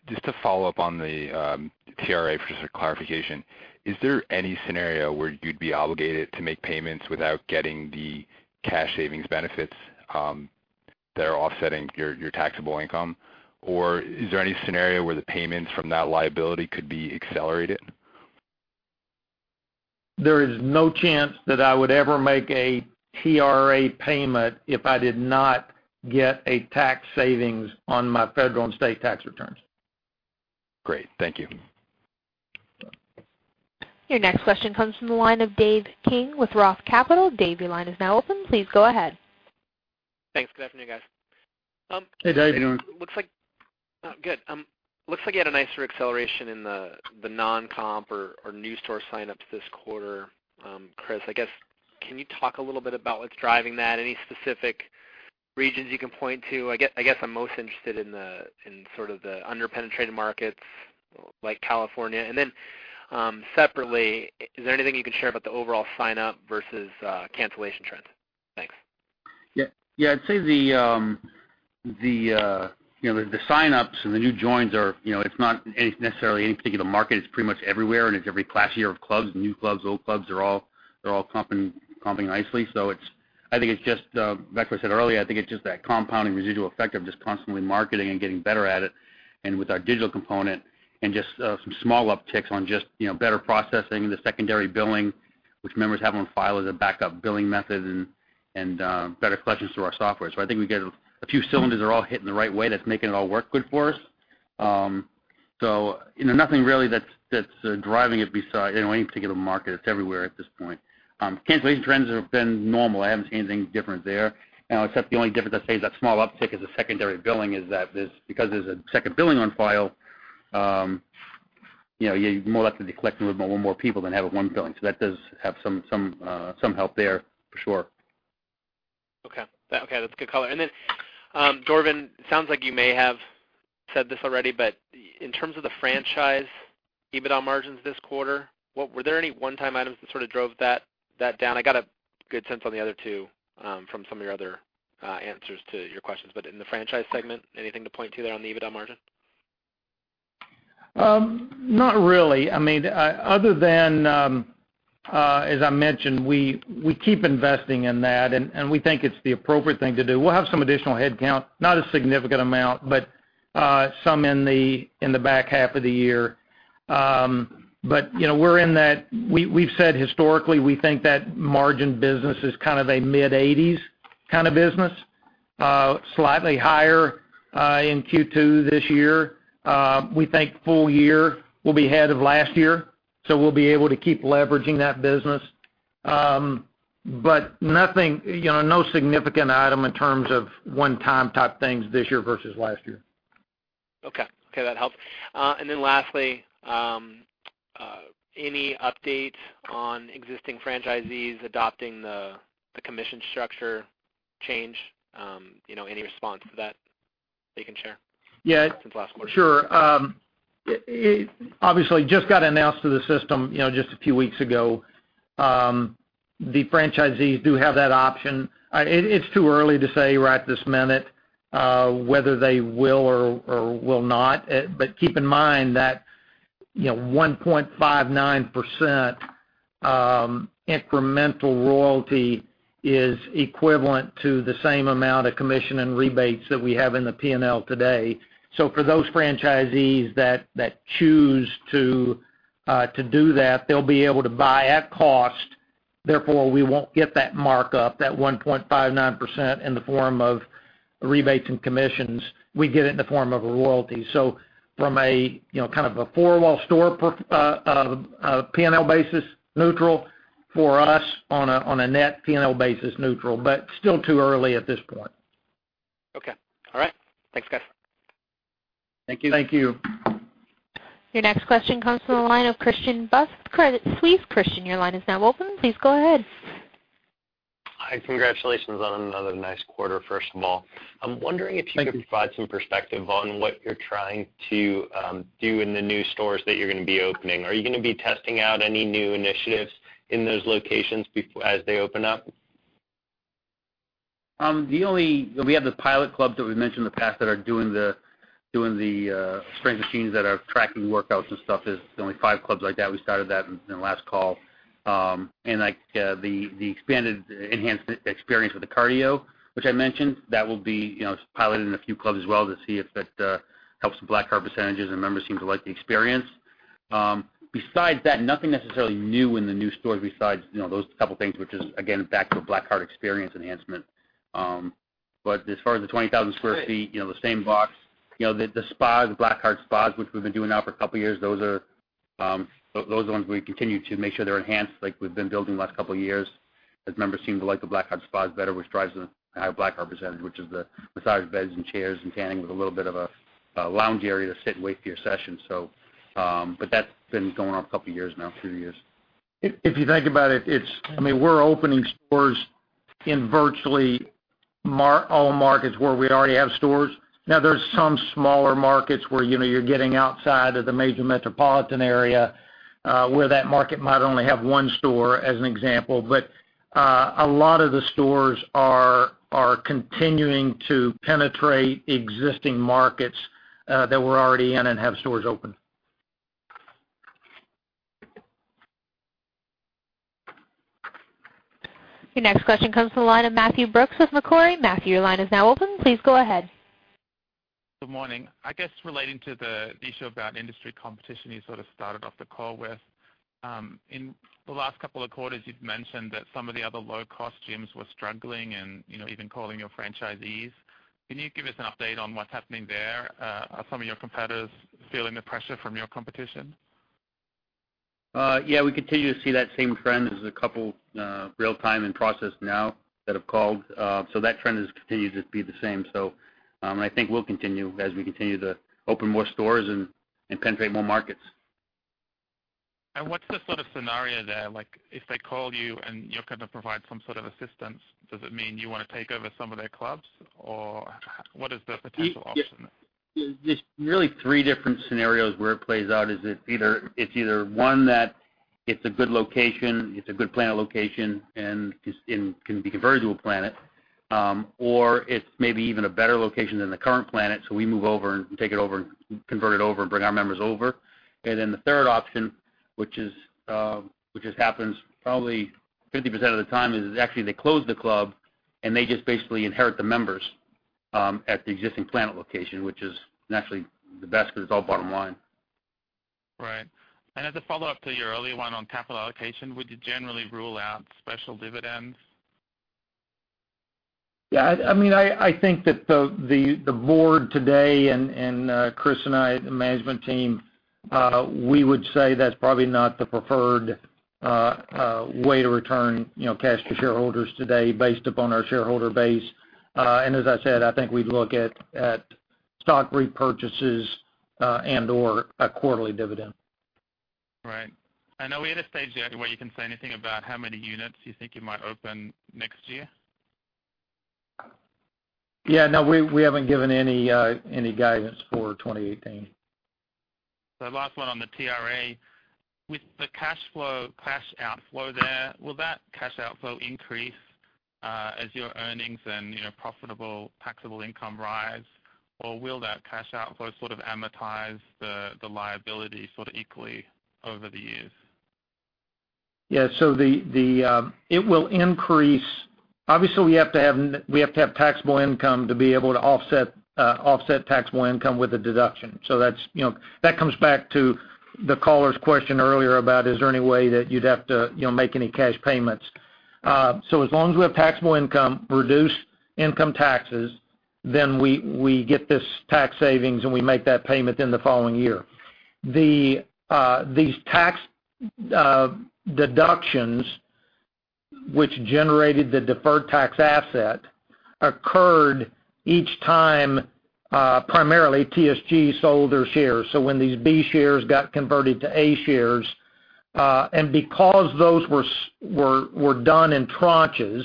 Just to follow up on the TRA, for just a clarification, is there any scenario where you'd be obligated to make payments without getting the cash savings benefits that are offsetting your taxable income? Or is there any scenario where the payments from that liability could be accelerated? There is no chance that I would ever make a TRA payment if I did not get a tax savings on my federal and state tax returns. Great. Thank you. Your next question comes from the line of Dave King with Roth Capital. Dave, your line is now open. Please go ahead. Thanks. Good afternoon, guys. Hey, Dave. How you doing? Good. Looks like you had a nicer acceleration in the non-comp or new store sign-ups this quarter. Chris, I guess, can you talk a little bit about what's driving that? Any specific regions you can point to? I guess I'm most interested in sort of the under-penetrated markets like California. Then separately, is there anything you can share about the overall sign-up versus cancellation trends? Thanks. Yeah. I'd say the sign-ups the new joins, it's not necessarily any particular market. It's pretty much everywhere, it's every class year of clubs, new clubs, old clubs, they're all comping nicely. I think it's just like what I said earlier, I think it's just that compounding residual effect of just constantly marketing and getting better at it with our digital component and just some small upticks on just better processing, the secondary billing, which members have on file as a backup billing method and better collections through our software. I think a few cylinders are all hitting the right way that's making it all work good for us. Nothing really that's driving it in any particular market. It's everywhere at this point. Cancellation trends have been normal. I haven't seen anything different there, except the only difference, I'd say, is that small uptick as a secondary billing is that because there's a second billing on file, you're more likely to be collecting with more people than have a one billing. That does have some help there for sure. Okay. That's a good color. Then, Dorvin, sounds like you may have said this already, but in terms of the franchise EBITDA margins this quarter, were there any one-time items that sort of drove that down? I got a good sense on the other two from some of your other answers to your questions. In the franchise segment, anything to point to there on the EBITDA margin? Not really. Other than, as I mentioned, we keep investing in that, we think it's the appropriate thing to do. We'll have some additional headcount, not a significant amount, but some in the back half of the year. We've said historically, we think that margin business is kind of a mid-eighties kind of business. Slightly higher in Q2 this year. We think full year will be ahead of last year, we'll be able to keep leveraging that business. No significant item in terms of one-time type things this year versus last year. Okay. That helps. Lastly, any update on existing franchisees adopting the commission structure change? Any response to that you can share since last quarter? Sure. Just got announced to the system just a few weeks ago. The franchisees do have that option. It is too early to say right this minute, whether they will or will not. Keep in mind that, 1.59% incremental royalty is equivalent to the same amount of commission and rebates that we have in the P&L today. For those franchisees that choose to do that, they will be able to buy at cost, therefore, we will not get that markup, that 1.59% in the form of rebates and commissions. We get it in the form of a royalty. From a kind of a four-wall store P&L basis neutral for us on a net P&L basis neutral, but still too early at this point. Thanks, guys. Thank you. Thank you. Your next question comes from the line of Christian Buss, Credit Suisse. Christian, your line is now open. Please go ahead. Hi. Congratulations on another nice quarter, first of all. Thank you. I'm wondering if you could provide some perspective on what you're trying to do in the new stores that you're going to be opening. Are you going to be testing out any new initiatives in those locations as they open up? We have the pilot clubs that we've mentioned in the past that are doing the strength machines that are tracking workouts and stuff. There's only five clubs like that. We started that in the last call. The expanded enhanced experience with the cardio, which I mentioned, that will be piloted in a few clubs as well to see if that helps the Black Card percentages and members seem to like the experience. Besides that, nothing necessarily new in the new stores besides those couple of things, which is, again, back to a Black Card experience enhancement. As far as the 20,000 sq ft, the same box. The spas, the Black Card spas, which we've been doing now for a couple of years, Those ones we continue to make sure they're enhanced like we've been building the last couple of years, as members seem to like the Black Card spas better, which drives the high Black Card percentage, which is the massage beds and chairs and tanning with a little bit of a lounge area to sit and wait for your session. That's been going on a couple of years now, two years. If you think about it, we're opening stores in virtually all markets where we already have stores. There's some smaller markets where you're getting outside of the major metropolitan area, where that market might only have one store, as an example. A lot of the stores are continuing to penetrate existing markets that we're already in and have stores open. Your next question comes from the line of Matthew Brooks with Macquarie. Matthew, your line is now open. Please go ahead. Good morning. I guess relating to the issue about industry competition you sort of started off the call with. In the last couple of quarters, you'd mentioned that some of the other low-cost gyms were struggling and even calling your franchisees. Can you give us an update on what's happening there? Are some of your competitors feeling the pressure from your competition? Yeah, we continue to see that same trend. There's a couple real-time in process now that have called. That trend has continued to be the same. I think we'll continue as we continue to open more stores and penetrate more markets. What's the sort of scenario there? If they call you and you're going to provide some sort of assistance, does it mean you want to take over some of their clubs? What is the potential option? There's really three different scenarios where it plays out, is it's either, one, that it's a good location, it's a good Planet location and can be converted to a Planet. It's maybe even a better location than the current Planet, so we move over and take it over and convert it over and bring our members over. The third option, which happens probably 50% of the time, is actually they close the club and they just basically inherit the members at the existing Planet location, which is naturally the best because it's all bottom line. Right. As a follow-up to your earlier one on capital allocation, would you generally rule out special dividends? Yeah. I think that the board today and Chris and I, the management team, we would say that's probably not the preferred way to return cash to shareholders today based upon our shareholder base. As I said, I think we'd look at stock repurchases and/or a quarterly dividend. Right. Are we at a stage yet where you can say anything about how many units you think you might open next year? Yeah, no, we haven't given any guidance for 2018. Last one on the TRA. With the cash outflow there, will that cash outflow increase as your earnings and profitable taxable income rise? Or will that cash outflow sort of amortize the liability sort of equally over the years? It will increase. Obviously, we have to have taxable income to be able to offset taxable income with a deduction. That comes back to the caller's question earlier about, is there any way that you'd have to make any cash payments. As long as we have taxable income, reduced income taxes, then we get this tax savings and we make that payment in the following year. These tax deductions, which generated the deferred tax asset, occurred each time, primarily TSG sold their shares. When these B shares got converted to A shares, and because those were done in tranches,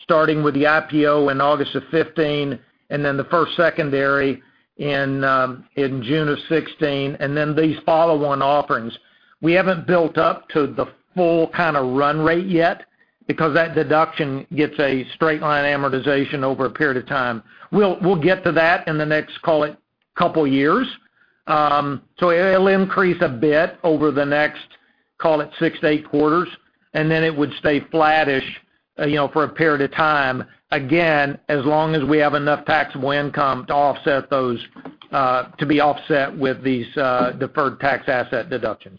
starting with the IPO in August of 2015, and then the first secondary in June of 2016, and then these follow-on offerings. We haven't built up to the full kind of run rate yet because that deduction gets a straight line amortization over a period of time. We'll get to that in the next, call it, couple years. It'll increase a bit over the next, call it, 6-8 quarters, and then it would stay flattish for a period of time, again, as long as we have enough taxable income to be offset with these deferred tax asset deductions.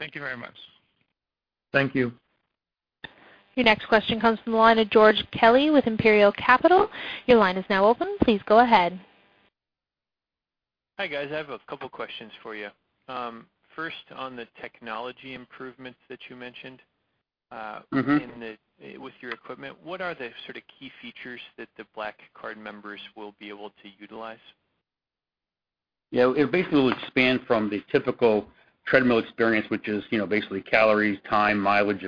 Thank you very much. Thank you. Your next question comes from the line of George Kelly with Imperial Capital. Your line is now open. Please go ahead. Hi, guys. I have a couple questions for you. First, on the technology improvements that you mentioned with your equipment, what are the sort of key features that the Black Card members will be able to utilize? Yeah, it basically will expand from the typical treadmill experience, which is basically calories, time, mileage,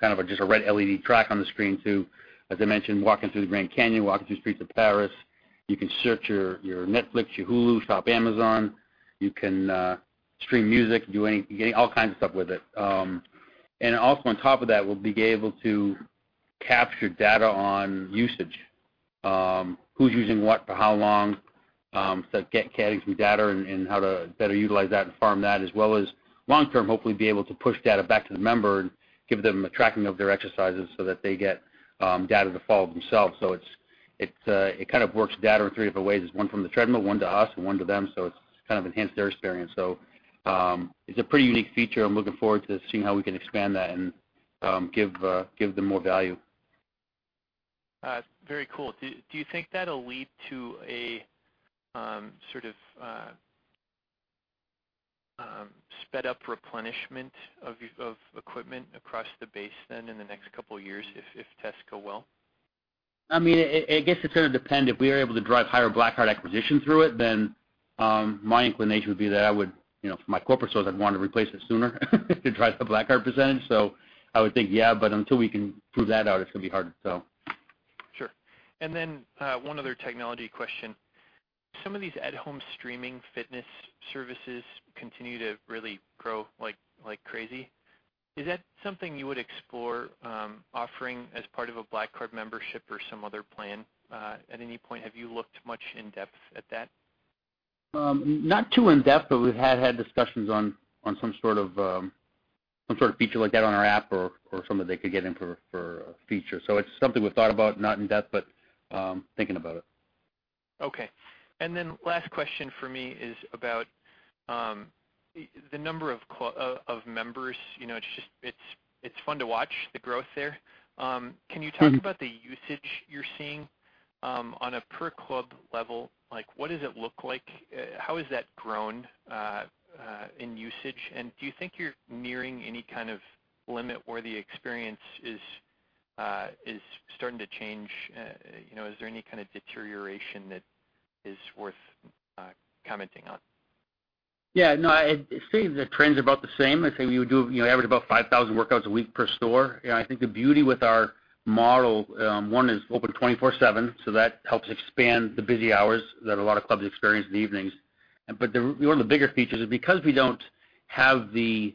kind of just a red LED track on the screen to, as I mentioned, walking through the Grand Canyon, walking through the streets of Paris. You can search your Netflix, your Hulu, shop Amazon. You can stream music, do all kinds of stuff with it. Also on top of that, we'll be able to capture data on usage. Who's using what for how long, so getting some data and how to better utilize that and farm that, as well as long-term, hopefully be able to push data back to the member and give them a tracking of their exercises so that they get data to follow themselves. It kind of works data in three different ways. There's one from the treadmill, one to us, and one to them. It kind of enhance their experience. It's a pretty unique feature. I'm looking forward to seeing how we can expand that and give them more value. Very cool. Do you think that'll lead to a sort of sped-up replenishment of equipment across the base then in the next couple of years if tests go well? I guess it's going to depend. If we are able to drive higher Black Card acquisition through it, then my inclination would be that I would, for my corporate stores, I'd want to replace it sooner to drive the Black Card percentage. I would think, yeah, until we can prove that out, it's going to be hard to tell. Sure. One other technology question. Some of these at-home streaming fitness services continue to really grow like crazy. Is that something you would explore offering as part of a PF Black Card membership or some other plan at any point? Have you looked much in depth at that? Not too in-depth, we have had discussions on some sort of feature like that on our app or something they could get in for a feature. It's something we've thought about. Not in-depth, but thinking about it. Okay. Last question for me is about the number of members. It's fun to watch the growth there. Can you talk about the usage you're seeing on a per-club level? What does it look like? How has that grown in usage, and do you think you're nearing any kind of limit where the experience is starting to change? Is there any kind of deterioration that is worth commenting on? Yeah. No, I'd say the trends are about the same. I'd say we do average about 5,000 workouts a week per store. I think the beauty with our model, one is open 24/7, that helps expand the busy hours that a lot of clubs experience in the evenings. One of the bigger features is because we don't have the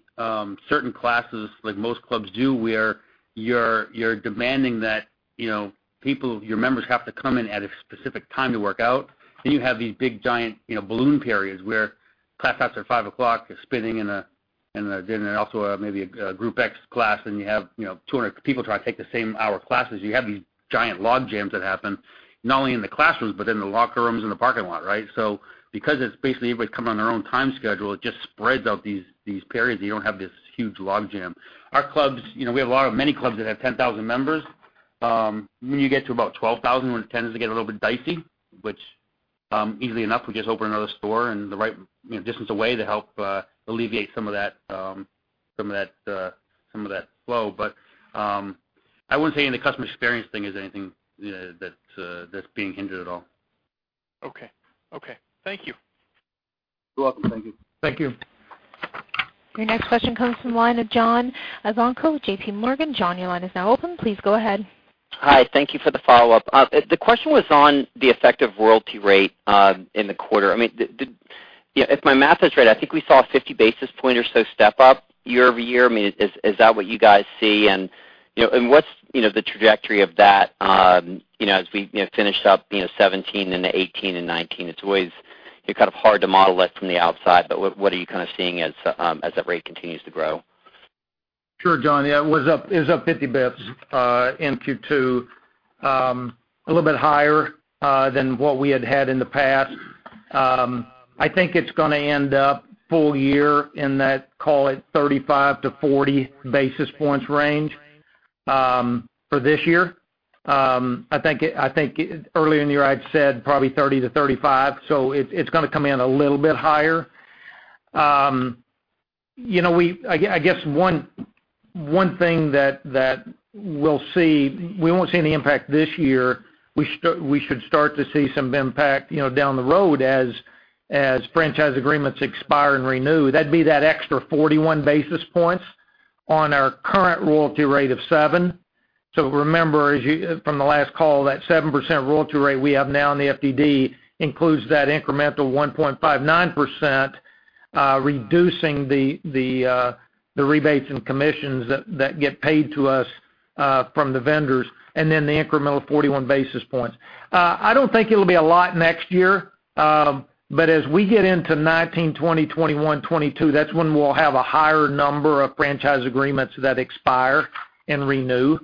certain classes like most clubs do, where you're demanding that your members have to come in at a specific time to work out. You have these big, giant balloon periods where class after 5:00 is spinning and also maybe a Group X class, and you have 200 people trying to take the same hour classes. You have these giant log jams that happen, not only in the classrooms, but in the locker rooms and the parking lot, right? Because it's basically everybody coming on their own time schedule, it just spreads out these periods. You don't have this huge log jam. We have many clubs that have 10,000 members. When you get to about 12,000, it tends to get a little bit dicey, which easily enough, we just open another store in the right distance away to help alleviate some of that flow. I wouldn't say in the customer experience thing is anything that's being hindered at all. Okay. Thank you. You're welcome. Thank you. Thank you. Your next question comes from the line of John Ivankoe with JPMorgan. John, your line is now open. Please go ahead. Hi. Thank you for the follow-up. The question was on the effective royalty rate in the quarter. If my math is right, I think we saw a 50 basis points or so step up year-over-year. Is that what you guys see? What's the trajectory of that as we finish up 2017 into 2018 and 2019? It's always kind of hard to model it from the outside, but what are you kind of seeing as that rate continues to grow? Sure, John. Yeah, it was up 50 basis points in Q2. A little bit higher than what we had had in the past. I think it's going to end up full year in that, call it, 35-40 basis points range for this year. I think earlier in the year, I had said probably 30-35 basis points, so it's going to come in a little bit higher. I guess one thing that we'll see, we won't see any impact this year. We should start to see some impact down the road as franchise agreements expire and renew. That'd be that extra 41 basis points on our current royalty rate of 7. Remember, from the last call, that 7% royalty rate we have now in the FDD includes that incremental 1.59%, reducing the rebates and commissions that get paid to us from the vendors, and then the incremental 41 basis points. I don't think it'll be a lot next year. As we get into 2019, 2020, 2021, 2022, that's when we'll have a higher number of franchise agreements that expire and renew.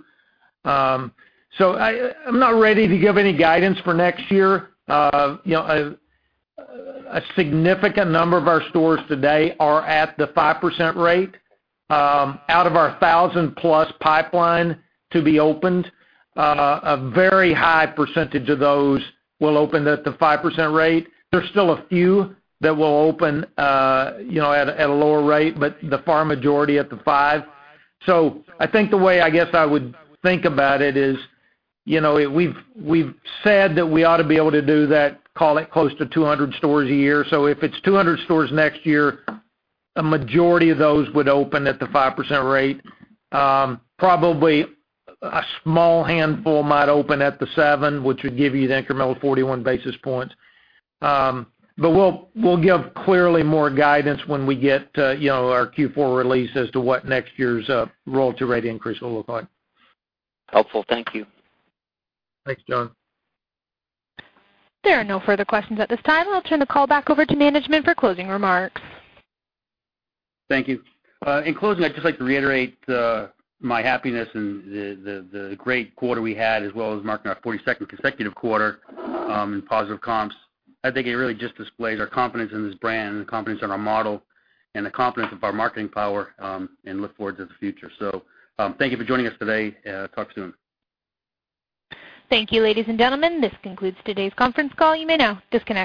I'm not ready to give any guidance for next year. A significant number of our stores today are at the 5% rate. Out of our 1,000-plus pipeline to be opened, a very high percentage of those will open at the 5% rate. There's still a few that will open at a lower rate, but the far majority at the 5. I think the way, I guess, I would think about it is, we've said that we ought to be able to do that, call it, close to 200 stores a year. If it's 200 stores next year, a majority of those would open at the 5% rate. Probably a small handful might open at the seven, which would give you the incremental 41 basis points. We'll give clearly more guidance when we get our Q4 release as to what next year's royalty rate increase will look like. Helpful. Thank you. Thanks, John. There are no further questions at this time. I'll turn the call back over to management for closing remarks. Thank you. In closing, I'd just like to reiterate my happiness in the great quarter we had, as well as marking our 42nd consecutive quarter in positive comps. I think it really just displays our confidence in this brand and the confidence in our model, and the confidence of our marketing power, and look forward to the future. Thank you for joining us today. Talk soon. Thank you, ladies and gentlemen. This concludes today's conference call. You may now disconnect.